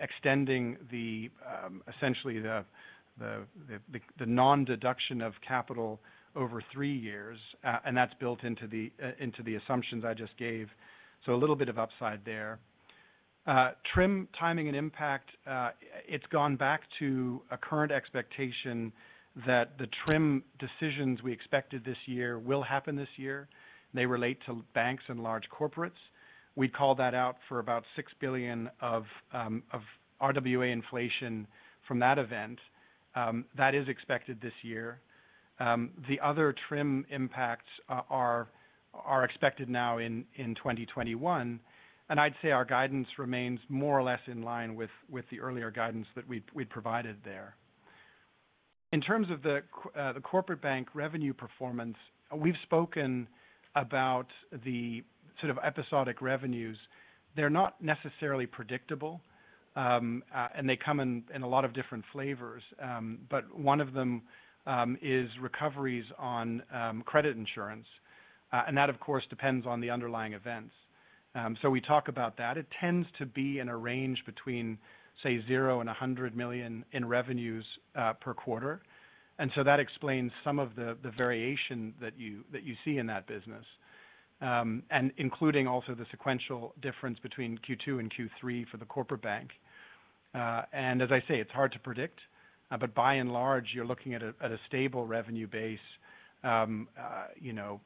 extending essentially the non-deduction of capital over three years, and that's built into the assumptions I just gave. A little bit of upside there. TRIM timing and impact, it's gone back to a current expectation that the TRIM decisions we expected this year will happen this year, and they relate to banks and large corporates. We call that out for about 6 billion of RWA inflation from that event. That is expected this year. The other TRIM impacts are expected now in 2021. I'd say our guidance remains more or less in line with the earlier guidance that we'd provided there. In terms of the Corporate Bank revenue performance, we've spoken about the sort of episodic revenues. They're not necessarily predictable, and they come in a lot of different flavors. One of them is recoveries on credit insurance. That, of course, depends on the underlying events. We talk about that. It tends to be in a range between, say, zero and 100 million in revenues per quarter. That explains some of the variation that you see in that business, including also the sequential difference between Q2 and Q3 for the Corporate Bank. As I say, it's hard to predict, but by and large, you're looking at a stable revenue base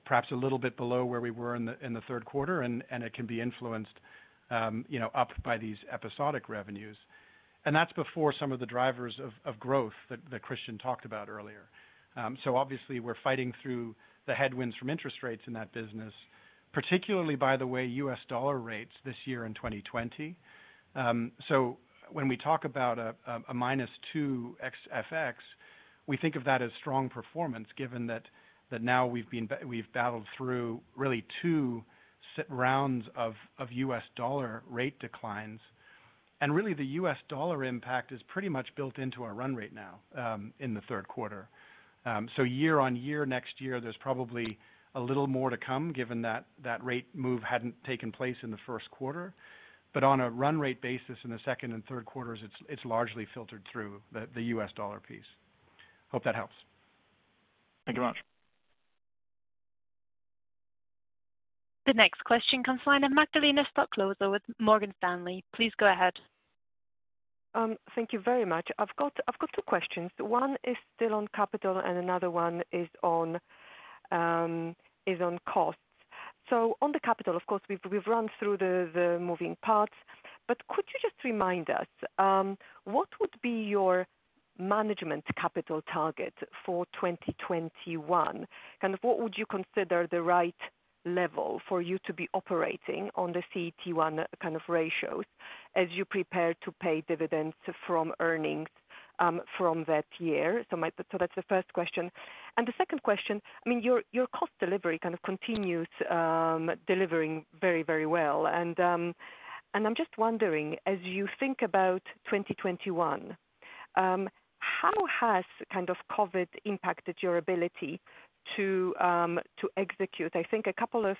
perhaps a little bit below where we were in the third quarter, and it can be influenced up by these episodic revenues. That's before some of the drivers of growth that Christian talked about earlier. Obviously, we're fighting through the headwinds from interest rates in that business, particularly, by the way, US dollar rates this year in 2020. When we talk about a -2% FX, we think of that as strong performance given that now we've battled through really two rounds of US dollar rate declines. Really, the U.S. dollar impact is pretty much built into our run rate now in the third quarter. Year-on-year, next year, there's probably a little more to come given that that rate move hadn't taken place in the first quarter. On a run rate basis in the second and third quarters, it's largely filtered through the U.S. dollar piece. Hope that helps. Thank you much. The next question comes line of Magdalena Stoklosa with Morgan Stanley. Please go ahead. Thank you very much. I've got two questions. One is still on capital and another one is on costs. On the capital, of course, we've run through the moving parts, but could you just remind us, what would be your management capital target for 2021? What would you consider the right level for you to be operating on the CET1 kind of ratios as you prepare to pay dividends from earnings from that year? That's the first question. The second question, I mean, your cost delivery kind of continues delivering very well. I'm just wondering, as you think about 2021, how has kind of COVID impacted your ability to execute? I think a couple of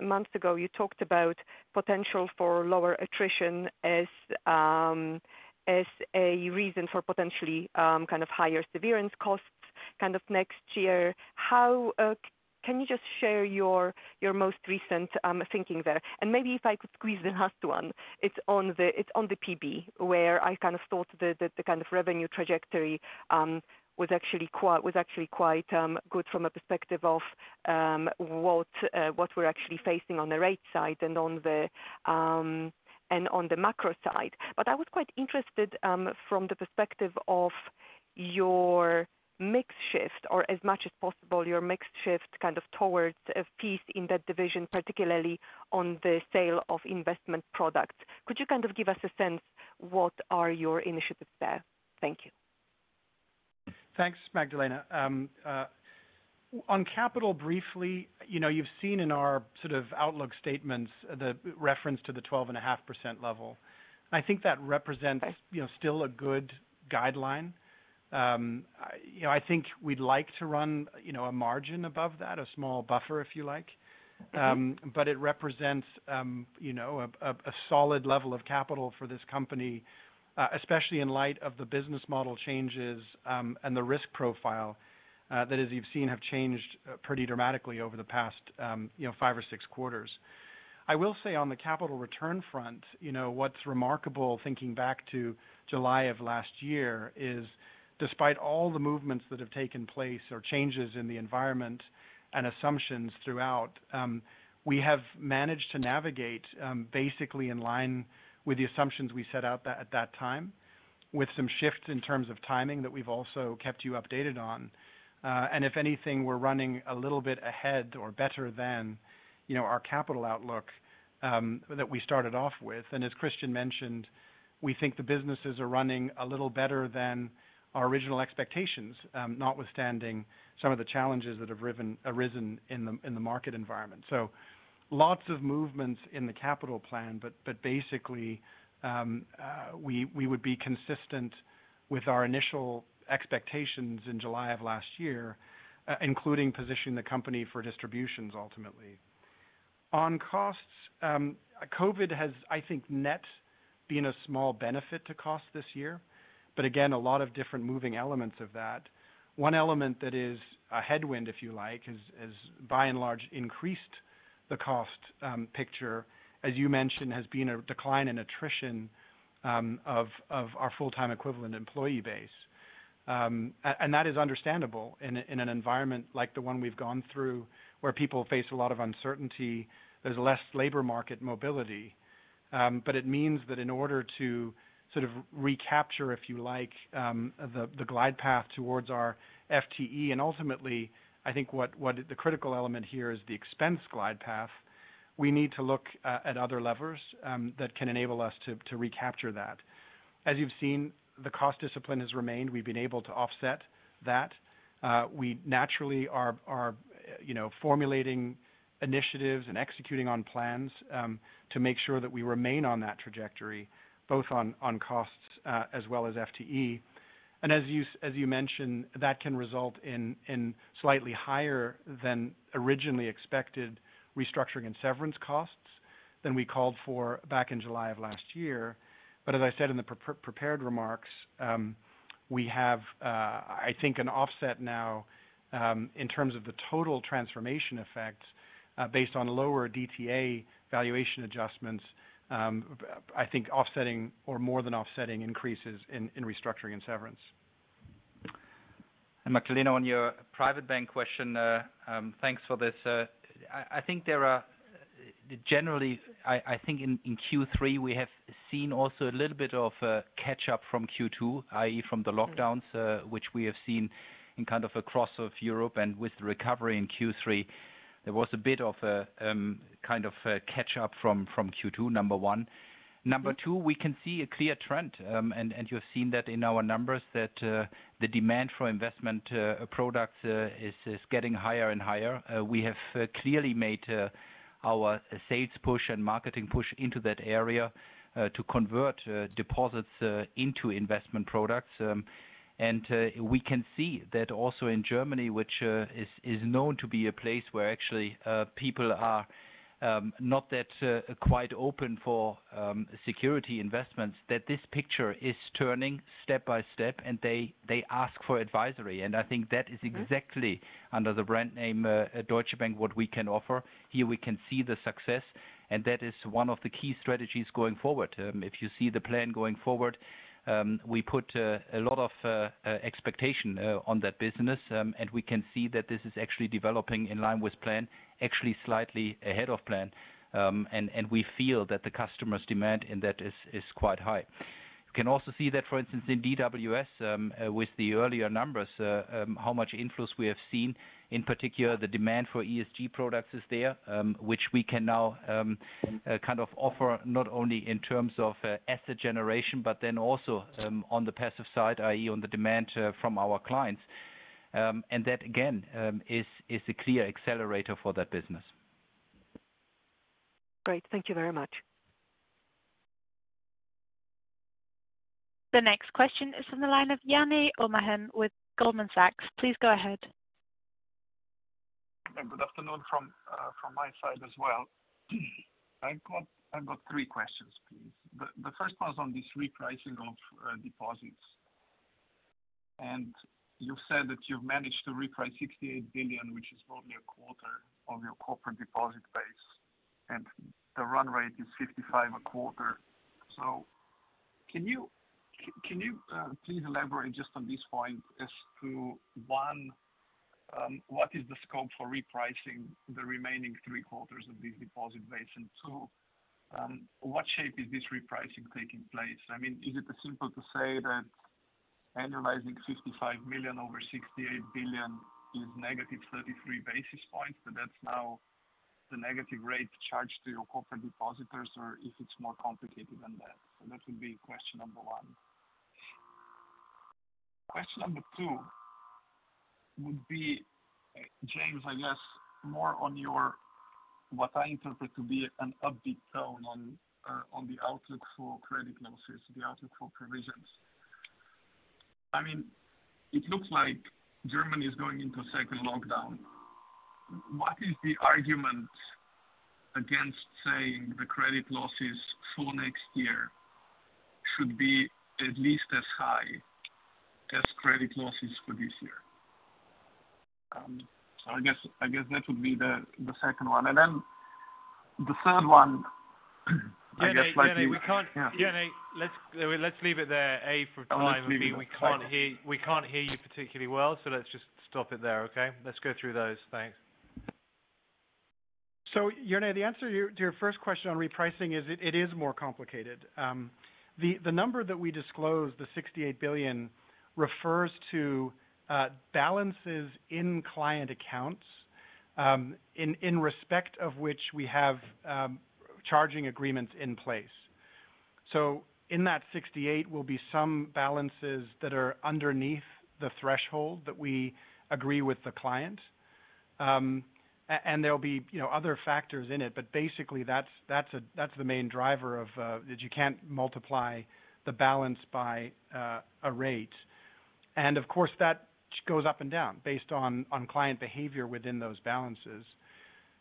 months ago you talked about potential for lower attrition as a reason for potentially kind of higher severance costs next year. Can you just share your most recent thinking there? Maybe if I could squeeze the last one, it's on the PB, where I kind of thought the kind of revenue trajectory was actually quite good from a perspective of what we're actually facing on the rate side and on the macro side. I was quite interested from the perspective of your mix shift, or as much as possible, your mix shift kind of towards a piece in that division, particularly on the sale of investment products. Could you kind of give us a sense what are your initiatives there? Thank you. Thanks, Magdalena. On capital briefly, you've seen in our sort of outlook statements the reference to the 12.5% level. I think that represents still a good guideline. I think we'd like to run a margin above that, a small buffer, if you like. It represents a solid level of capital for this company, especially in light of the business model changes, and the risk profile, that as you've seen, have changed pretty dramatically over the past five or six quarters. I will say on the capital return front, what's remarkable thinking back to July of last year is despite all the movements that have taken place or changes in the environment and assumptions throughout, we have managed to navigate basically in line with the assumptions we set out at that time, with some shifts in terms of timing that we've also kept you updated on. If anything, we're running a little bit ahead or better than our capital outlook that we started off with. As Christian mentioned, we think the businesses are running a little better than our original expectations, notwithstanding some of the challenges that have arisen in the market environment. Lots of movements in the capital plan, but basically, we would be consistent with our initial expectations in July of last year, including position the company for distributions ultimately. On costs, COVID has, I think, net been a small benefit to cost this year. Again, a lot of different moving elements of that. One element that is a headwind, if you like, has by and large increased the cost picture, as you mentioned, has been a decline in attrition of our full-time equivalent employee base. That is understandable in an environment like the one we've gone through, where people face a lot of uncertainty, there's less labor market mobility. It means that in order to sort of recapture, if you like, the glide path towards our FTE, and ultimately, I think the critical element here is the expense glide path, we need to look at other levers that can enable us to recapture that. As you've seen, the cost discipline has remained. We've been able to offset that. We naturally are formulating initiatives and executing on plans to make sure that we remain on that trajectory, both on costs as well as FTE. As you mentioned, that can result in slightly higher than originally expected restructuring and severance costs than we called for back in July of last year. As I said in the prepared remarks, we have I think an offset now, in terms of the total transformation effect, based on lower DTA valuation adjustments, I think offsetting or more than offsetting increases in restructuring and severance. Magdalena, on your private bank question, thanks for this. Generally, I think in Q3, we have seen also a little bit of a catch-up from Q2, i.e., from the lockdowns, which we have seen in kind of across Europe. With the recovery in Q3, there was a bit of a kind of a catch-up from Q2, number one. Number two, we can see a clear trend, and you have seen that in our numbers, that the demand for investment products is getting higher and higher. We have clearly made Our sales push and marketing push into that area to convert deposits into investment products. We can see that also in Germany, which is known to be a place where actually people are not that quite open for security investments, that this picture is turning step by step and they ask for advisory. I think that is exactly under the brand name Deutsche Bank, what we can offer. Here we can see the success, and that is one of the key strategies going forward. If you see the plan going forward, we put a lot of expectation on that business. We can see that this is actually developing in line with plan, actually slightly ahead of plan. We feel that the customers' demand in that is quite high. You can also see that, for instance, in DWS, with the earlier numbers, how much inflows we have seen. In particular, the demand for ESG products is there, which we can now offer not only in terms of asset generation, but then also on the passive side, i.e., on the demand from our clients. That again, is a clear accelerator for that business. Great. Thank you very much. The next question is from the line of Jernej Omahen with Goldman Sachs. Please go ahead. Good afternoon from my side as well. I've got three questions, please. The first was on this repricing of deposits. You said that you've managed to reprice 68 billion, which is only a quarter of your corporate deposit base, and the run rate is 55 a quarter. Can you please elaborate just on this point as to, one, what is the scope for repricing the remaining three quarters of this deposit base? Two, what shape is this repricing taking place? I mean, is it as simple to say that annualizing 55 million over 68 billion is -33 basis points, so that's now the negative rate charged to your corporate depositors, or if it's more complicated than that? That would be question number one. Question number two would be, James, I guess more on your, what I interpret to be an upbeat tone on the outlook for credit losses, the outlook for provisions. It looks like Germany is going into second lockdown. What is the argument against saying the credit losses for next year should be at least as high as credit losses for this year? I guess that would be the second one. The third one, I guess. Jernej, Yeah. Jernej, let's leave it there. I want to just leave it at that. B, we can't hear you particularly well, so let's just stop it there, okay. Let's go through those. Thanks. Jernej, the answer to your first question on repricing is it is more complicated. The number that we disclosed, the 68 billion, refers to balances in client accounts, in respect of which we have charging agreements in place. In that 68 will be some balances that are underneath the threshold that we agree with the client. There will be other factors in it. Basically, that is the main driver of that you cannot multiply the balance by a rate. Of course, that goes up and down based on client behavior within those balances.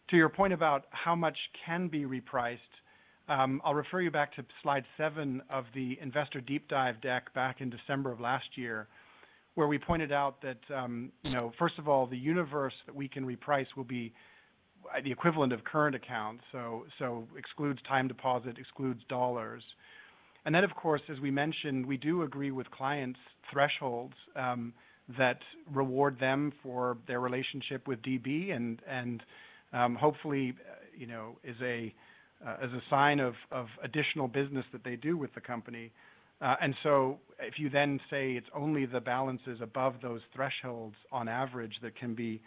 To your point about how much can be repriced, I will refer you back to slide seven of the Investor Deep Dive deck back in December of last year, where we pointed out that first of all, the universe that we can reprice will be the equivalent of current accounts. Excludes time deposit, excludes US dollars. Then, of course, as we mentioned, we do agree with clients' thresholds that reward them for their relationship with DB and hopefully is a sign of additional business that they do with the company. If you then say it's only the balances above those thresholds on average that can be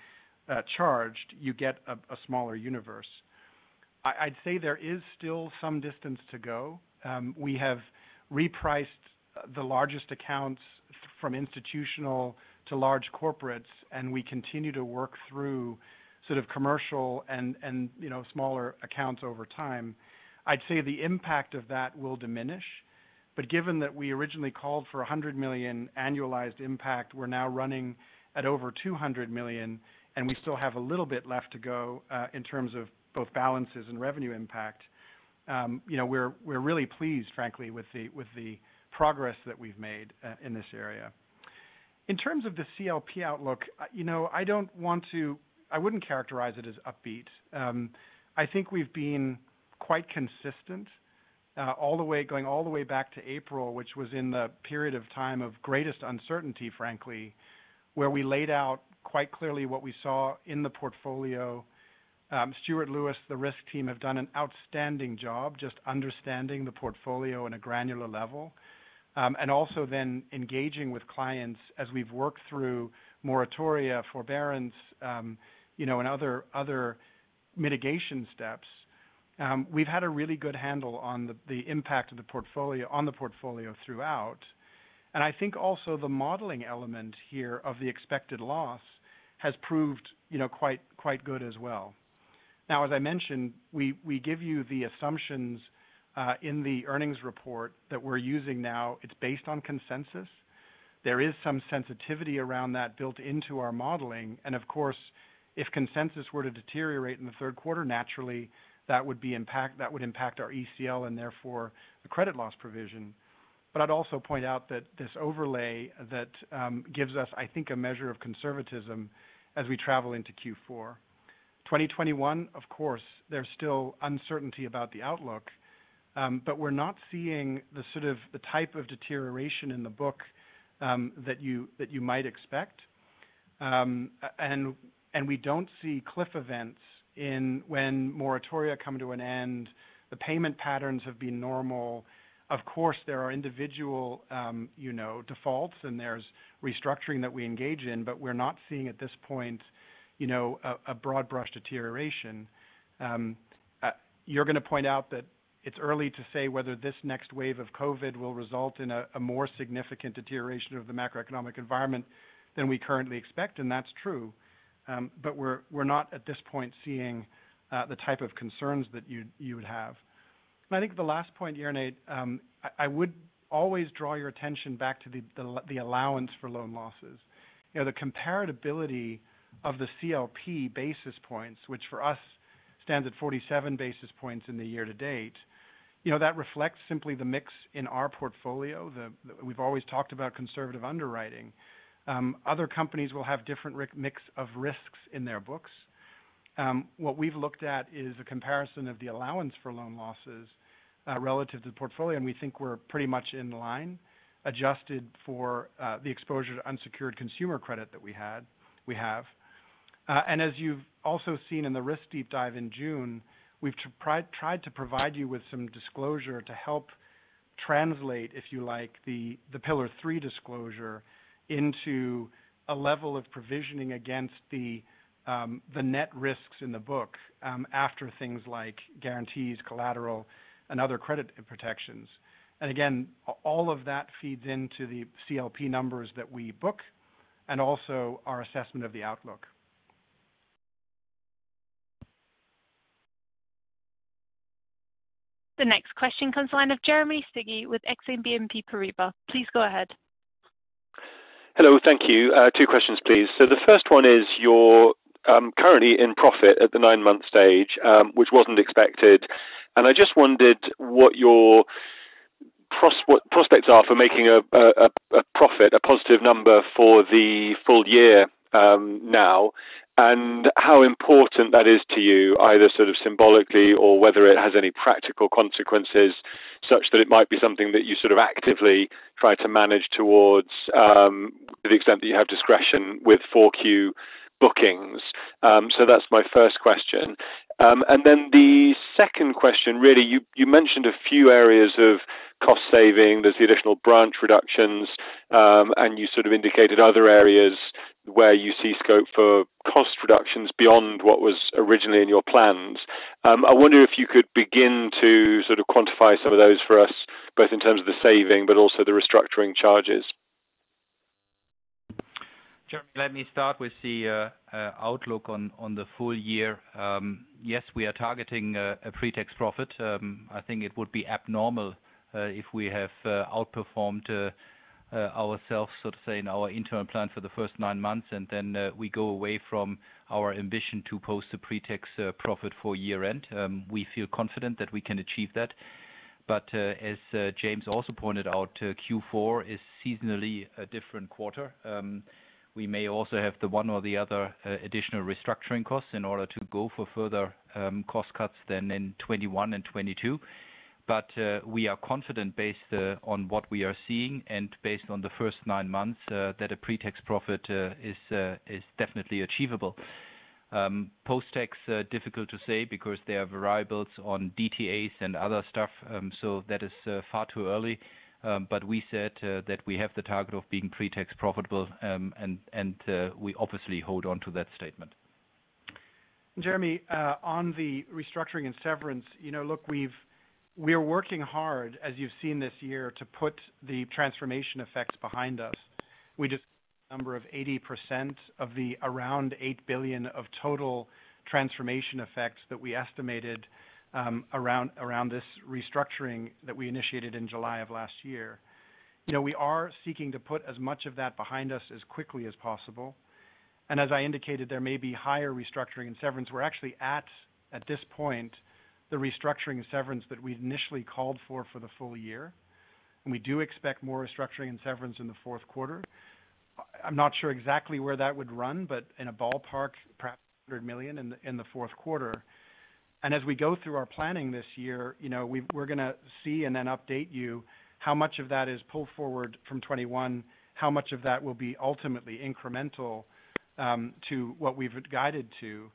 charged, you get a smaller universe. I'd say there is still some distance to go. We have repriced the largest accounts from institutional to large corporates, and we continue to work through commercial and smaller accounts over time. I'd say the impact of that will diminish. Given that we originally called for 100 million annualized impact, we're now running at over 200 million, and we still have a little bit left to go in terms of both balances and revenue impact. We're really pleased, frankly, with the progress that we've made in this area. In terms of the CLP outlook, I wouldn't characterize it as upbeat. I think we've been quite consistent going all the way back to April, which was in the period of time of greatest uncertainty, frankly, where we laid out quite clearly what we saw in the portfolio. Stuart Lewis, the risk team, have done an outstanding job just understanding the portfolio on a granular level. Also then engaging with clients as we've worked through moratoria, forbearance, and other mitigation steps. We've had a really good handle on the impact on the portfolio throughout. I think also the modeling element here of the expected loss has proved quite good as well. Now, as I mentioned, we give you the assumptions in the earnings report that we're using now. It's based on consensus. There is some sensitivity around that built into our modeling. Of course, if consensus were to deteriorate in the third quarter, naturally, that would impact our ECL and therefore the credit loss provision. I'd also point out that this overlay that gives us, I think, a measure of conservatism as we travel into Q4. 2021, of course, there's still uncertainty about the outlook, but we're not seeing the type of deterioration in the book that you might expect. We don't see cliff events when moratoria come to an end. The payment patterns have been normal. Of course, there are individual defaults and there's restructuring that we engage in, but we're not seeing at this point a broad brush deterioration. You're going to point out that it's early to say whether this next wave of COVID-19 will result in a more significant deterioration of the macroeconomic environment than we currently expect, and that's true. We're not, at this point, seeing the type of concerns that you would have. I think the last point, Jernej, I would always draw your attention back to the allowance for loan losses. The comparability of the CLP basis points, which for us stands at 47 basis points in the year to date, that reflects simply the mix in our portfolio. We've always talked about conservative underwriting. Other companies will have different mix of risks in their books. What we've looked at is a comparison of the allowance for loan losses relative to the portfolio, and we think we're pretty much in line, adjusted for the exposure to unsecured consumer credit that we have. As you've also seen in the Investor Deep Dive in June, we've tried to provide you with some disclosure to help translate, if you like, the Pillar 3 disclosure into a level of provisioning against the net risks in the book after things like guarantees, collateral, and other credit protections. Again, all of that feeds into the CLP numbers that we book, and also our assessment of the outlook. The next question comes to the line of Jeremy Sigee with Exane BNP Paribas. Please go ahead. Hello. Thank you. Two questions, please. The first one is you're currently in profit at the nine-month stage, which wasn't expected. I just wondered what your prospects are for making a profit, a positive number for the full year now, and how important that is to you, either sort of symbolically or whether it has any practical consequences such that it might be something that you sort of actively try to manage towards the extent that you have discretion with 4Q bookings. That's my first question. The second question, really, you mentioned a few areas of cost saving. There's the additional branch reductions, and you sort of indicated other areas where you see scope for cost reductions beyond what was originally in your plans. I wonder if you could begin to sort of quantify some of those for us, both in terms of the savings, but also the restructuring charges. Jeremy, let me start with the outlook on the full year. We are targeting a pre-tax profit. I think it would be abnormal if we have outperformed ourselves, so to say, in our interim plan for the first nine months, and then we go away from our ambition to post a pre-tax profit for year-end. We feel confident that we can achieve that. As James also pointed out, Q4 is seasonally a different quarter. We may also have the one or the other additional restructuring costs in order to go for further cost cuts than in 2021 and 2022. We are confident based on what we are seeing and based on the first nine months that a pre-tax profit is definitely achievable. Post-tax, difficult to say because there are variables on DTAs and other stuff. That is far too early. We said that we have the target of being pre-tax profitable, and we obviously hold onto that statement. Jeremy, on the restructuring and severance, we are working hard, as you've seen this year, to put the transformation effects behind us. 80% of the around 8 billion of total transformation effects that we estimated around this restructuring that we initiated in July of last year. We are seeking to put as much of that behind us as quickly as possible. As I indicated, there may be higher restructuring and severance. We're actually at this point, the restructuring and severance that we initially called for the full year. We do expect more restructuring and severance in the fourth quarter. I'm not sure exactly where that would run, but in a ballpark, perhaps 300 million in the fourth quarter. As we go through our planning this year, we're going to see and then update you how much of that is pulled forward from 2021, how much of that will be ultimately incremental to what we've guided to.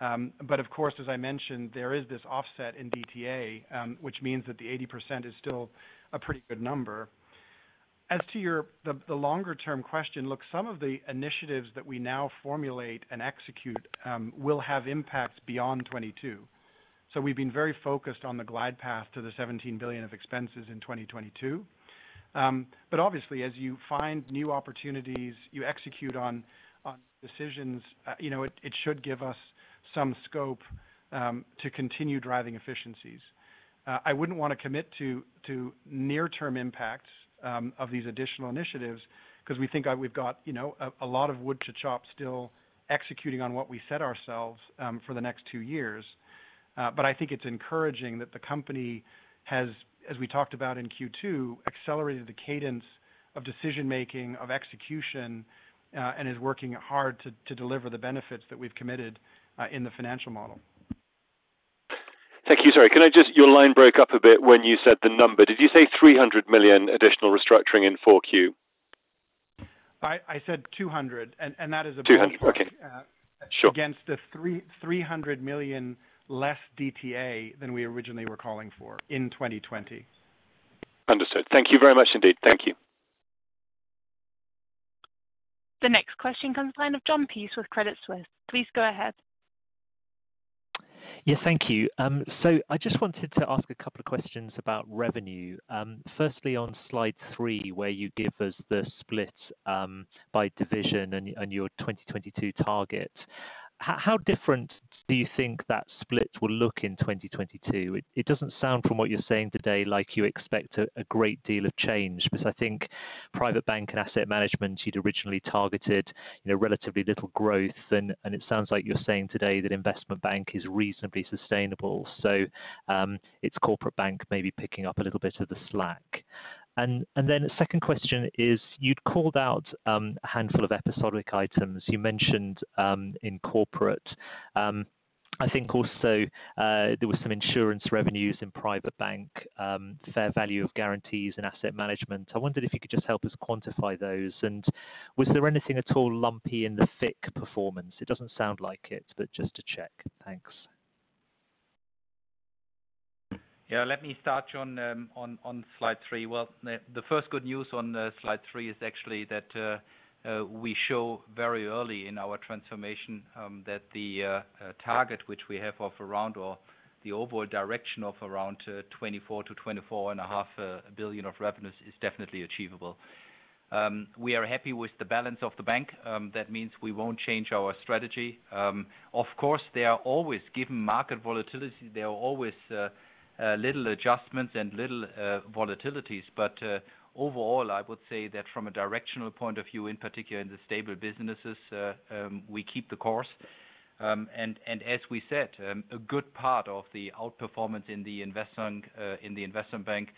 Of course, as I mentioned, there is this offset in DTA, which means that the 80% is still a pretty good number. As to the longer-term question, look, some of the initiatives that we now formulate and execute will have impacts beyond 2022. We've been very focused on the glide path to the 17 billion of expenses in 2022. Obviously, as you find new opportunities, you execute on decisions it should give us some scope to continue driving efficiencies. I wouldn't want to commit to near-term impacts of these additional initiatives because we think we've got a lot of wood to chop still executing on what we set ourselves for the next two years. I think it's encouraging that the company has, as we talked about in Q2, accelerated the cadence of decision-making, of execution, and is working hard to deliver the benefits that we've committed in the financial model. Thank you. Sorry, your line broke up a bit when you said the number. Did you say 300 million additional restructuring in 4Q? I said 200. 200, okay. Sure against the 300 million less DTA than we originally were calling for in 2020. Understood. Thank you very much indeed. Thank you. The next question comes the line of Jon Peace with Credit Suisse. Please go ahead. Yeah, thank you. I just wanted to ask a couple of questions about revenue. Firstly, on slide three, where you give us the split by division and your 2022 target. How different do you think that split will look in 2022? It doesn't sound, from what you're saying today, like you expect a great deal of change, because I think Private Bank and Asset Management, you'd originally targeted relatively little growth, and it sounds like you're saying today that Investment Bank is reasonably sustainable. It's Corporate maybe picking up a little bit of the slack. Then second question is, you'd called out a handful of episodic items you mentioned in Corporate. I think also there were some insurance revenues in Private Bank, fair value of guarantees and Asset Management. I wondered if you could just help us quantify those. Was there anything at all lumpy in the FICC performance? It doesn't sound like it, but just to check. Thanks. Yeah, let me start, Jon, on slide three. Well, the first good news on slide three is actually that we show very early in our transformation that the target which we have of around, or the overall direction of around 24 billion-24.5 billion of revenues is definitely achievable. We are happy with the balance of the bank. That means we won't change our strategy. Of course, given market volatility, there are always little adjustments and little volatilities. Overall, I would say that from a directional point of view, in particular in the stable businesses, we keep the course. As we said, a good part of the outperformance in the Investment Bank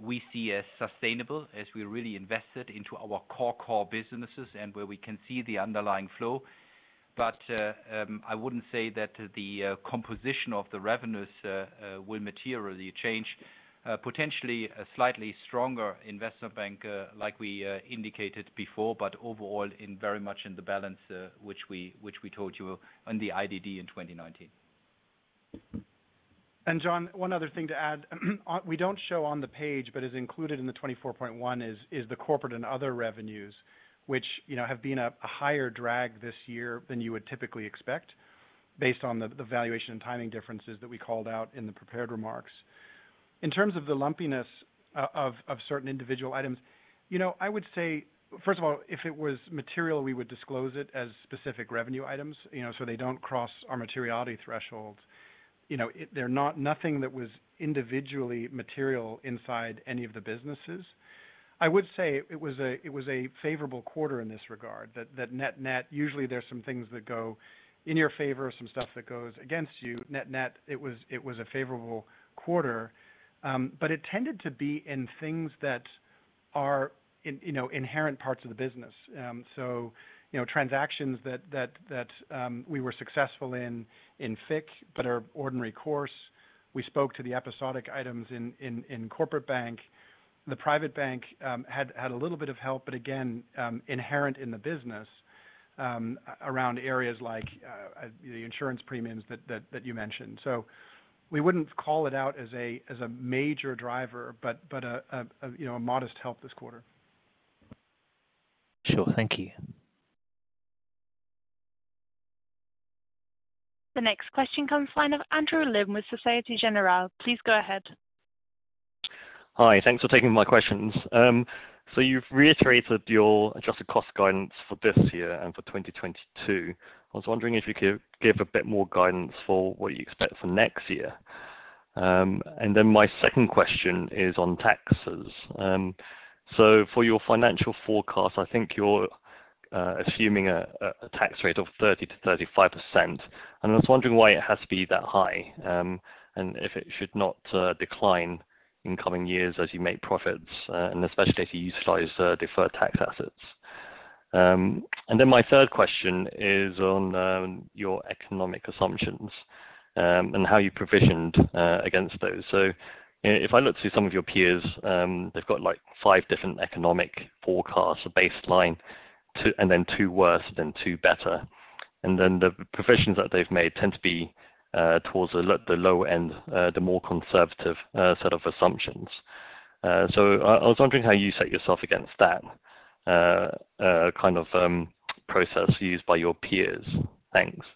we see as sustainable as we really invested into our core businesses and where we can see the underlying flow. I wouldn't say that the composition of the revenues will materially change. Potentially a slightly stronger Investment Bank, like we indicated before, but overall very much in the balance which we told you on the IDD in 2019. Jon, one other thing to add. We don't show on the page, but is included in the 24.1 is the Corporate and Other revenues, which have been a higher drag this year than you would typically expect based on the valuation and timing differences that we called out in the prepared remarks. In terms of the lumpiness of certain individual items, I would say, first of all, if it was material, we would disclose it as specific revenue items, so they don't cross our materiality threshold. There was nothing that was individually material inside any of the businesses. I would say it was a favorable quarter in this regard. That net net, usually there's some things that go in your favor, some stuff that goes against you. Net net, it was a favorable quarter. It tended to be in things that are inherent parts of the business. Transactions that we were successful in FICC but are ordinary course, we spoke to the episodic items in Corporate Bank. The Private Bank had a little bit of help, but again, inherent in the business around areas like the insurance premiums that you mentioned. We wouldn't call it out as a major driver, but a modest help this quarter. Sure. Thank you. The next question comes the line of Andrew Lim with Société Générale. Please go ahead. Hi. Thanks for taking my questions. You've reiterated your adjusted cost guidance for this year and for 2022. I was wondering if you could give a bit more guidance for what you expect for next year. My second question is on taxes. For your financial forecast, I think you're assuming a tax rate of 30%-35%, and I was wondering why it has to be that high, and if it should not decline in coming years as you make profits, and especially if you utilize deferred tax assets. My third question is on your economic assumptions and how you provisioned against those. If I look through some of your peers, they've got five different economic forecasts, a baseline and then two worse, then two better. The provisions that they've made tend to be towards the low end, the more conservative set of assumptions. I was wondering how you set yourself against that kind of process used by your peers. Thanks.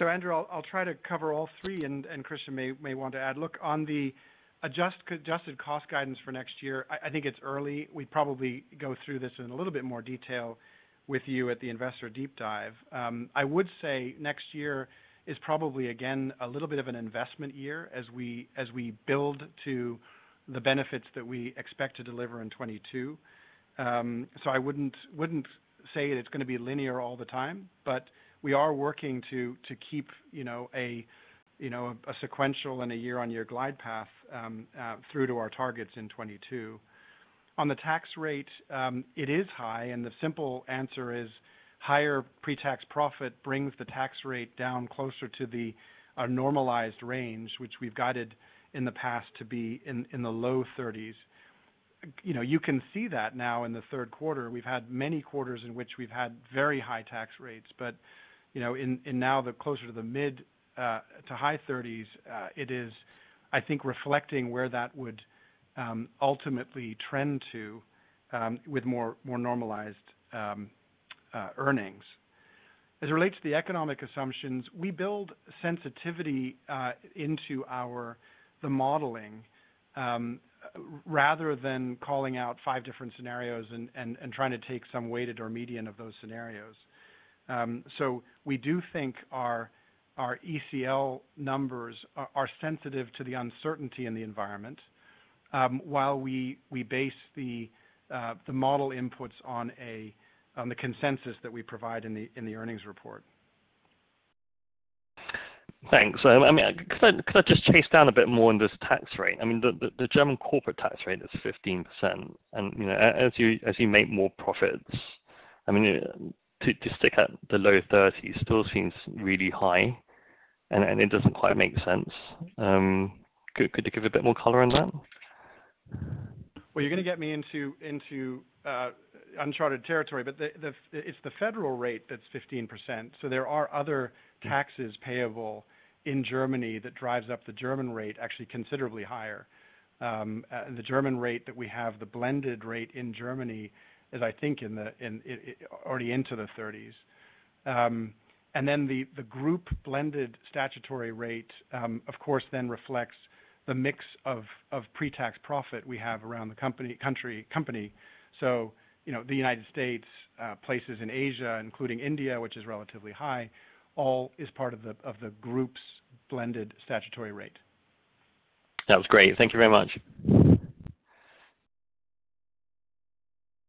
Andrew, I'll try to cover all three, and Christian may want to add. Look, on the adjusted cost guidance for next year, I think it's early. We'd probably go through this in a little bit more detail with you at the Investor Deep Dive. I would say next year is probably, again, a little bit of an investment year as we build to the benefits that we expect to deliver in 2022. I wouldn't say it's going to be linear all the time. We are working to keep a sequential and a year-on-year glide path through to our targets in 2022. On the tax rate, it is high, and the simple answer is higher pre-tax profit brings the tax rate down closer to the normalized range, which we've guided in the past to be in the low 30s. You can see that now in the third quarter. We've had many quarters in which we've had very high tax rates. In now the closer to the mid to high 30s, it is, I think, reflecting where that would ultimately trend to with more normalized earnings. As it relates to the economic assumptions, we build sensitivity into the modeling, rather than calling out five different scenarios and trying to take some weighted or median of those scenarios. We do think our ECL numbers are sensitive to the uncertainty in the environment, while we base the model inputs on the consensus that we provide in the earnings report. Thanks. Could I just chase down a bit more on this tax rate? The German corporate tax rate is 15%, and as you make more profits, to stick at the low 30s still seems really high, and it doesn't quite make sense. Could you give a bit more color on that? Well, you're going to get me into uncharted territory, it's the federal rate that's 15%, there are other taxes payable in Germany that drives up the German rate actually considerably higher. The German rate that we have, the blended rate in Germany is, I think, already into the 30s. The group blended statutory rate, of course, then reflects the mix of pre-tax profit we have around the company. The U.S., places in Asia, including India, which is relatively high, all is part of the group's blended statutory rate. That was great. Thank you very much.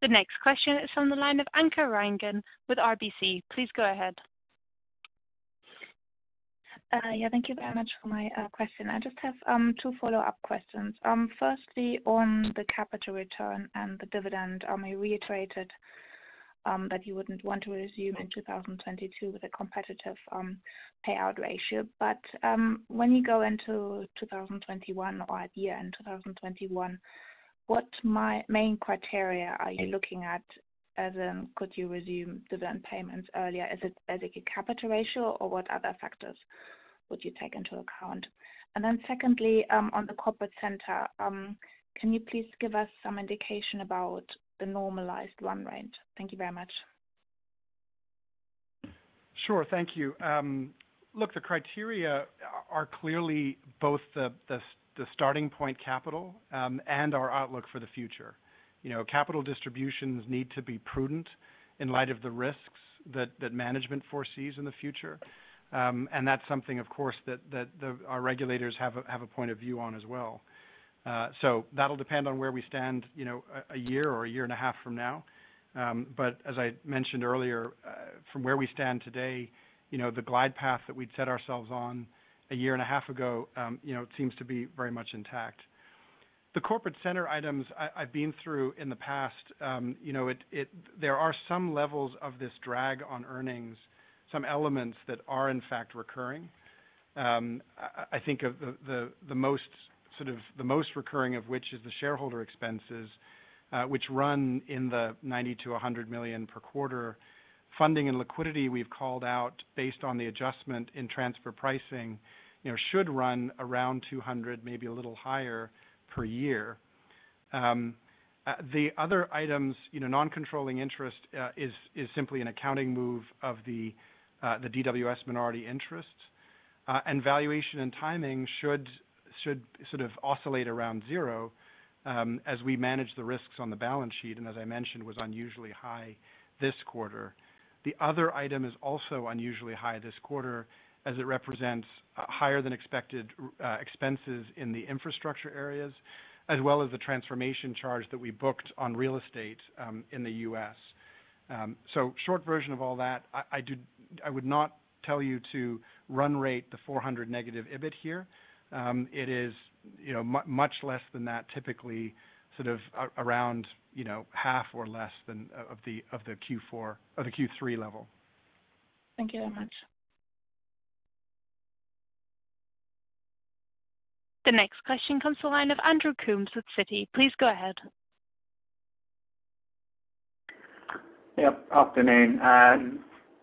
The next question is from the line of Anke Reingen with RBC. Please go ahead. Yeah, thank you very much for my question. I just have two follow-up questions. Firstly, on the capital return and the dividend, you reiterated that you wouldn't want to resume in 2022 with a competitive payout ratio. When you go into 2021 or at year-end 2021, what main criteria are you looking at as in could you resume dividend payments earlier? Is it basically capital ratio, or what other factors would you take into account? Secondly, on the corporate center, can you please give us some indication about the normalized run rate? Thank you very much. Sure. Thank you. Look, the criteria are clearly both the starting point capital and our outlook for the future. Capital distributions need to be prudent in light of the risks that management foresees in the future. That's something, of course, that our regulators have a point of view on as well. That'll depend on where we stand a year or a year and a half from now. As I mentioned earlier, from where we stand today, the glide path that we'd set ourselves on a year and a half ago seems to be very much intact. The corporate center items I've been through in the past, there are some levels of this drag on earnings, some elements that are in fact recurring. I think the most recurring of which is the shareholder expenses, which run in the 90 million to 100 million per quarter. Funding and liquidity we've called out based on the adjustment in transfer pricing, should run around 200, maybe a little higher, per year. The other items, non-controlling interest is simply an accounting move of the DWS minority interest. Valuation and timing should sort of oscillate around zero as we manage the risks on the balance sheet, and as I mentioned, was unusually high this quarter. The other item is also unusually high this quarter, as it represents higher than expected expenses in the infrastructure areas, as well as the transformation charge that we booked on real estate in the U.S. Short version of all that, I would not tell you to run rate the 400 negative EBIT here. It is much less than that typically, sort of around half or less of the Q3 level. Thank you very much. The next question comes to the line of Andrew Coombs with Citi. Please go ahead. Afternoon.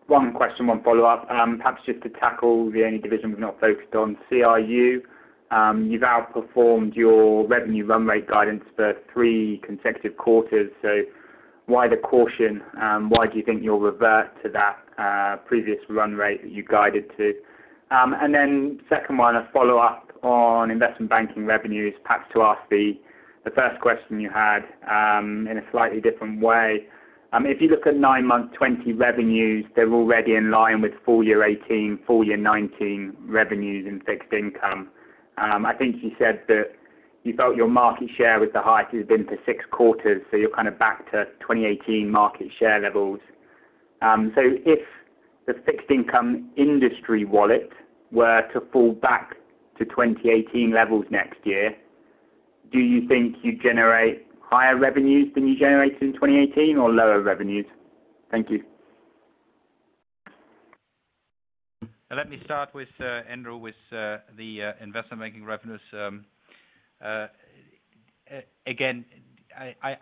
One question, one follow-up. Perhaps just to tackle the only division we've not focused on, CRU. You've outperformed your revenue run rate guidance for three consecutive quarters, why the caution? Why do you think you'll revert to that previous run rate that you guided to? Second one, a follow-up on investment banking revenues, perhaps to ask the first question you had in a slightly different way. If you look at nine-month 2020 revenues, they're already in line with full year 2018, full year 2019 revenues in Fixed Income. I think you said that you felt your market share was the highest it's been for six quarters, you're kind of back to 2018 market share levels. If the fixed income industry wallet were to fall back to 2018 levels next year, do you think you'd generate higher revenues than you generated in 2018 or lower revenues? Thank you. Let me start, Andrew, with the investment banking revenues. Again,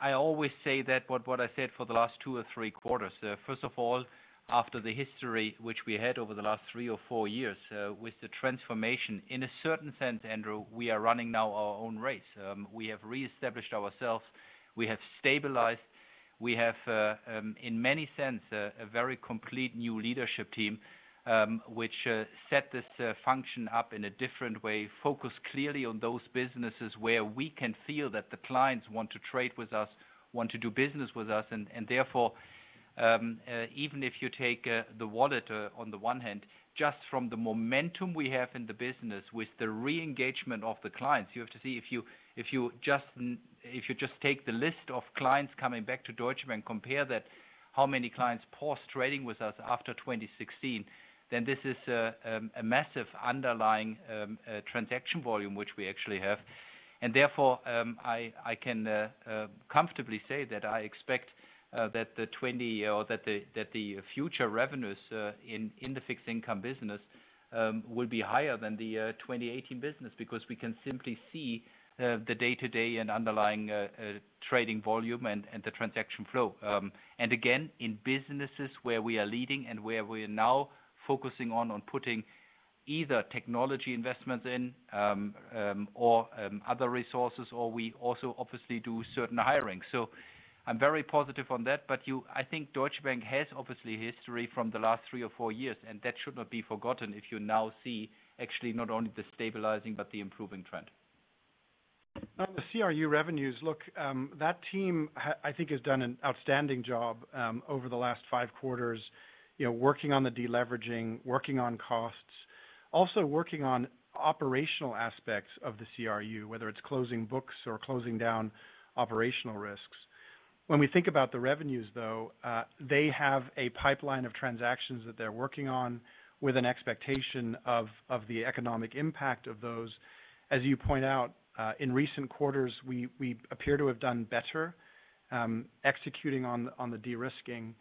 I always say that what I said for the last two or three quarters. First of all, after the history which we had over the last three or four years with the transformation, in a certain sense, Andrew, we are running now our own race. We have reestablished ourselves. We have stabilized. We have in many sense a very complete new leadership team, which set this function up in a different way, focused clearly on those businesses where we can feel that the clients want to trade with us, want to do business with us, therefore, even if you take the wallet on the one hand, just from the momentum we have in the business with the re-engagement of the clients, you have to see, if you just take the list of clients coming back to Deutsche and compare that how many clients paused trading with us after 2016, then this is a massive underlying transaction volume, which we actually have. Therefore, I can comfortably say that I expect that the future revenues in the fixed income business will be higher than the 2018 business because we can simply see the day-to-day and underlying trading volume and the transaction flow. Again, in businesses where we are leading and where we are now focusing on putting either technology investments in or other resources, or we also obviously do certain hiring. I'm very positive on that. I think Deutsche Bank has obviously history from the last three or four years, and that should not be forgotten if you now see actually not only the stabilizing but the improving trend. On the CRU revenues, look, that team I think has done an outstanding job over the last five quarters, working on the de-leveraging, working on costs, also working on operational aspects of the CRU, whether it's closing books or closing down operational risks. When we think about the revenues, though, they have a pipeline of transactions that they're working on with an expectation of the economic impact of those. As you point out, in recent quarters, we appear to have done better executing on the de-risking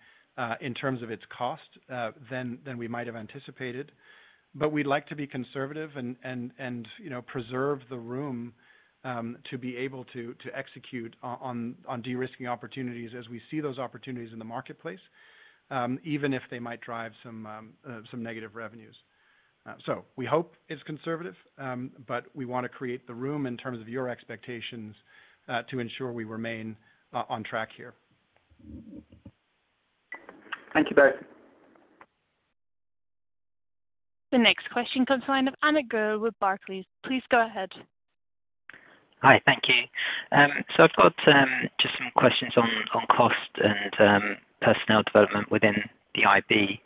in terms of its cost than we might have anticipated. We'd like to be conservative and preserve the room to be able to execute on de-risking opportunities as we see those opportunities in the marketplace, even if they might drive some negative revenues. We hope it's conservative, but we want to create the room in terms of your expectations to ensure we remain on track here. Thank you both. The next question comes the line of Amit Goel with Barclays. Please go ahead. Hi, thank you. I've got just some questions on cost and personnel development within the IB.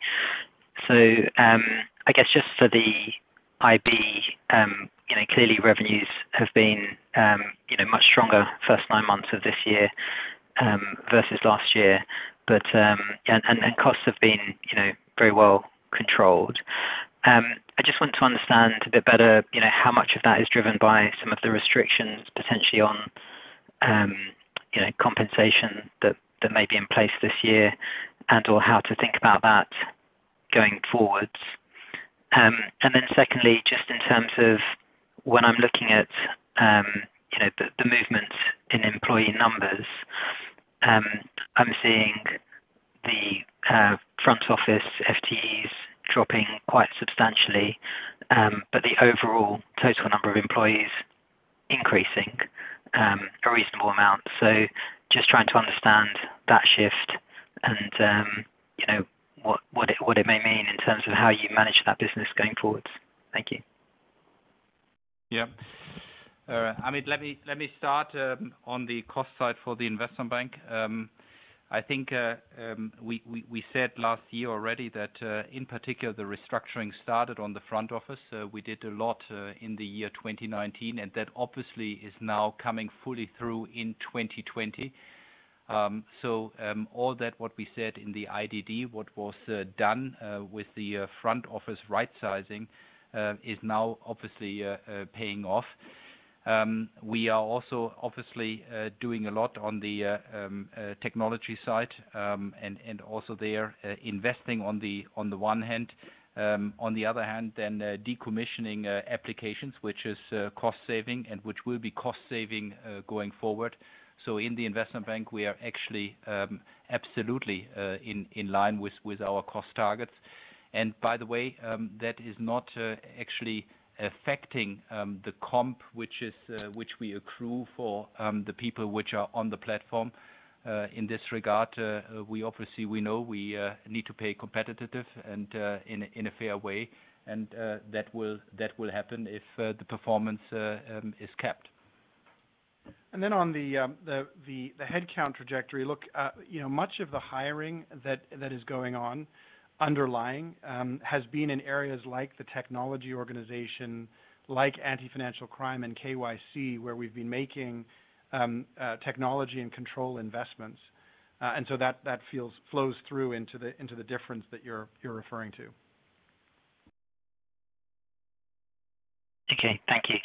I guess just for the IB, clearly revenues have been much stronger first nine months of this year versus last year, and costs have been very well controlled. I just want to understand a bit better how much of that is driven by some of the restrictions potentially on compensation that may be in place this year and/or how to think about that going forwards. Secondly, just in terms of when I'm looking at the movements in employee numbers, I'm seeing the front office FTEs dropping quite substantially but the overall total number of employees increasing a reasonable amount. Just trying to understand that shift and what it may mean in terms of how you manage that business going forwards. Thank you. Amit, let me start on the cost side for the Investment Bank. I think we said last year already that in particular, the restructuring started on the front office. We did a lot in the year 2019, and that obviously is now coming fully through in 2020. All that what we said in the IDD, what was done with the front office rightsizing is now obviously paying off. We are also obviously doing a lot on the technology side, and also there investing on the one hand. On the other hand, then decommissioning applications, which is cost-saving and which will be cost-saving going forward. In the Investment Bank, we are actually absolutely in line with our cost targets. By the way, that is not actually affecting the comp, which we accrue for the people which are on the platform. In this regard, obviously we know we need to pay competitive and in a fair way, and that will happen if the performance is kept. On the headcount trajectory, look, much of the hiring that is going on underlying has been in areas like the technology organization, like anti-financial crime and KYC, where we've been making technology and control investments. That flows through into the difference that you're referring to. Okay. Thank you.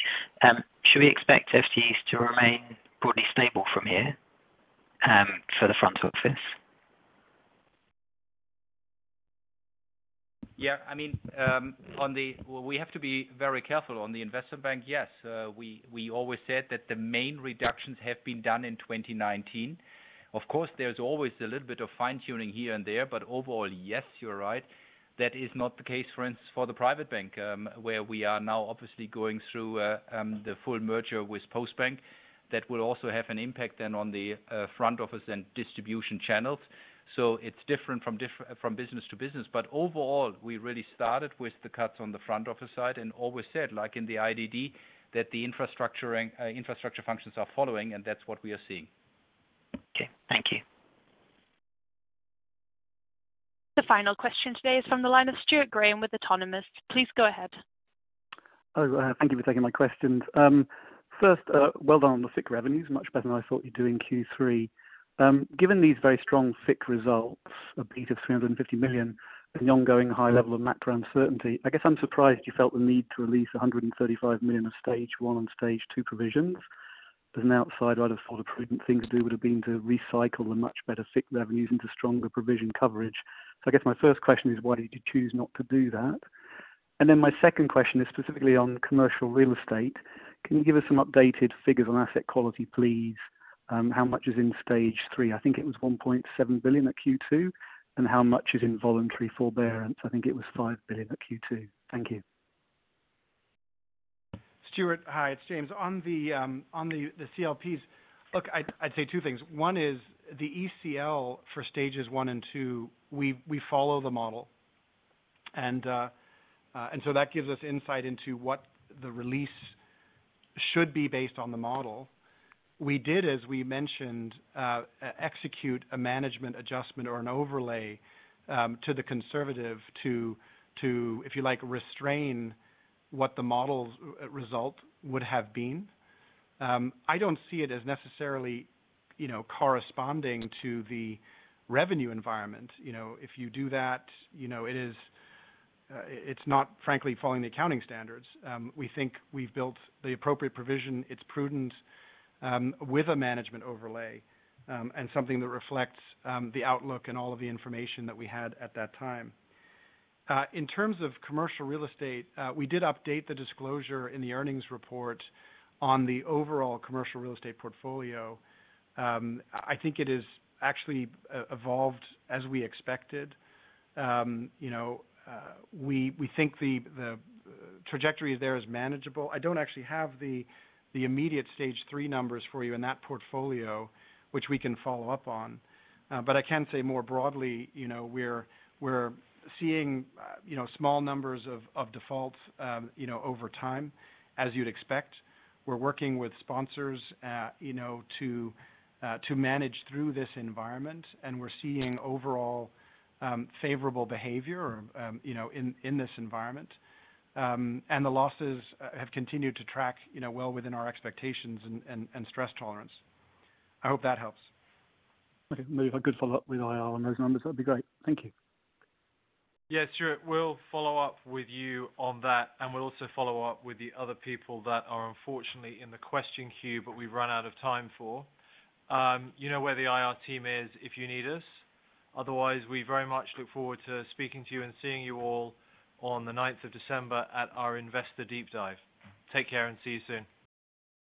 Should we expect FTEs to remain broadly stable from here for the front office? We have to be very careful. On the Investment Bank, yes. We always said that the main reductions have been done in 2019. Of course, there's always a little bit of fine-tuning here and there, but overall, yes, you're right. That is not the case, for instance, for the Private Bank, where we are now obviously going through the full merger with Postbank. That will also have an impact then on the front office and distribution channels. It's different from business to business. Overall, we really started with the cuts on the front office side and always said, like in the IDD, that the infrastructure functions are following, and that's what we are seeing. Okay. Thank you. The final question today is from the line of Stuart Graham with Autonomous. Please go ahead. Thank you for taking my questions. Well done on the FICC revenues. Much better than I thought you'd do in Q3. Given these very strong FICC results, a beat of 350 million, an ongoing high level of macro uncertainty, I guess I'm surprised you felt the need to release 135 million of stage 1 and stage 2 provisions. As an outsider, I'd have thought a prudent thing to do would've been to recycle the much better FICC revenues into stronger provision coverage. I guess my first question is, why did you choose not to do that? My second question is specifically on commercial real estate. Can you give us some updated figures on asset quality, please? How much is in stage 3? I think it was 1.7 billion at Q2. How much is in voluntary forbearance? I think it was 5 billion at Q2. Thank you. Stuart. Hi, it's James. On the CLPs, look, I'd say two things. One is the ECL for stages 1 and 2, we follow the model. That gives us insight into what the release should be based on the model. We did, as we mentioned, execute a management adjustment or an overlay to the conservative to, if you like, restrain what the model result would have been. I don't see it as necessarily corresponding to the revenue environment. If you do that, it's not frankly following the accounting standards. We think we've built the appropriate provision. It's prudent with a management overlay, and something that reflects the outlook and all of the information that we had at that time. In terms of commercial real estate, we did update the disclosure in the earnings report on the overall commercial real estate portfolio. I think it has actually evolved as we expected. We think the trajectory there is manageable. I don't actually have the immediate stage three numbers for you in that portfolio, which we can follow up on. I can say more broadly, we're seeing small numbers of defaults over time, as you'd expect. We're working with sponsors to manage through this environment, and we're seeing overall favorable behavior in this environment. The losses have continued to track well within our expectations and stress tolerance. I hope that helps. Okay. Maybe if I could follow up with IR on those numbers, that'd be great. Thank you. Yeah, Stuart, we'll follow up with you on that, and we'll also follow up with the other people that are unfortunately in the question queue, but we've run out of time for. You know where the IR team is if you need us. Otherwise, we very much look forward to speaking to you and seeing you all on the December 9th, 2020 at our Investor Deep Dive. Take care and see you soon.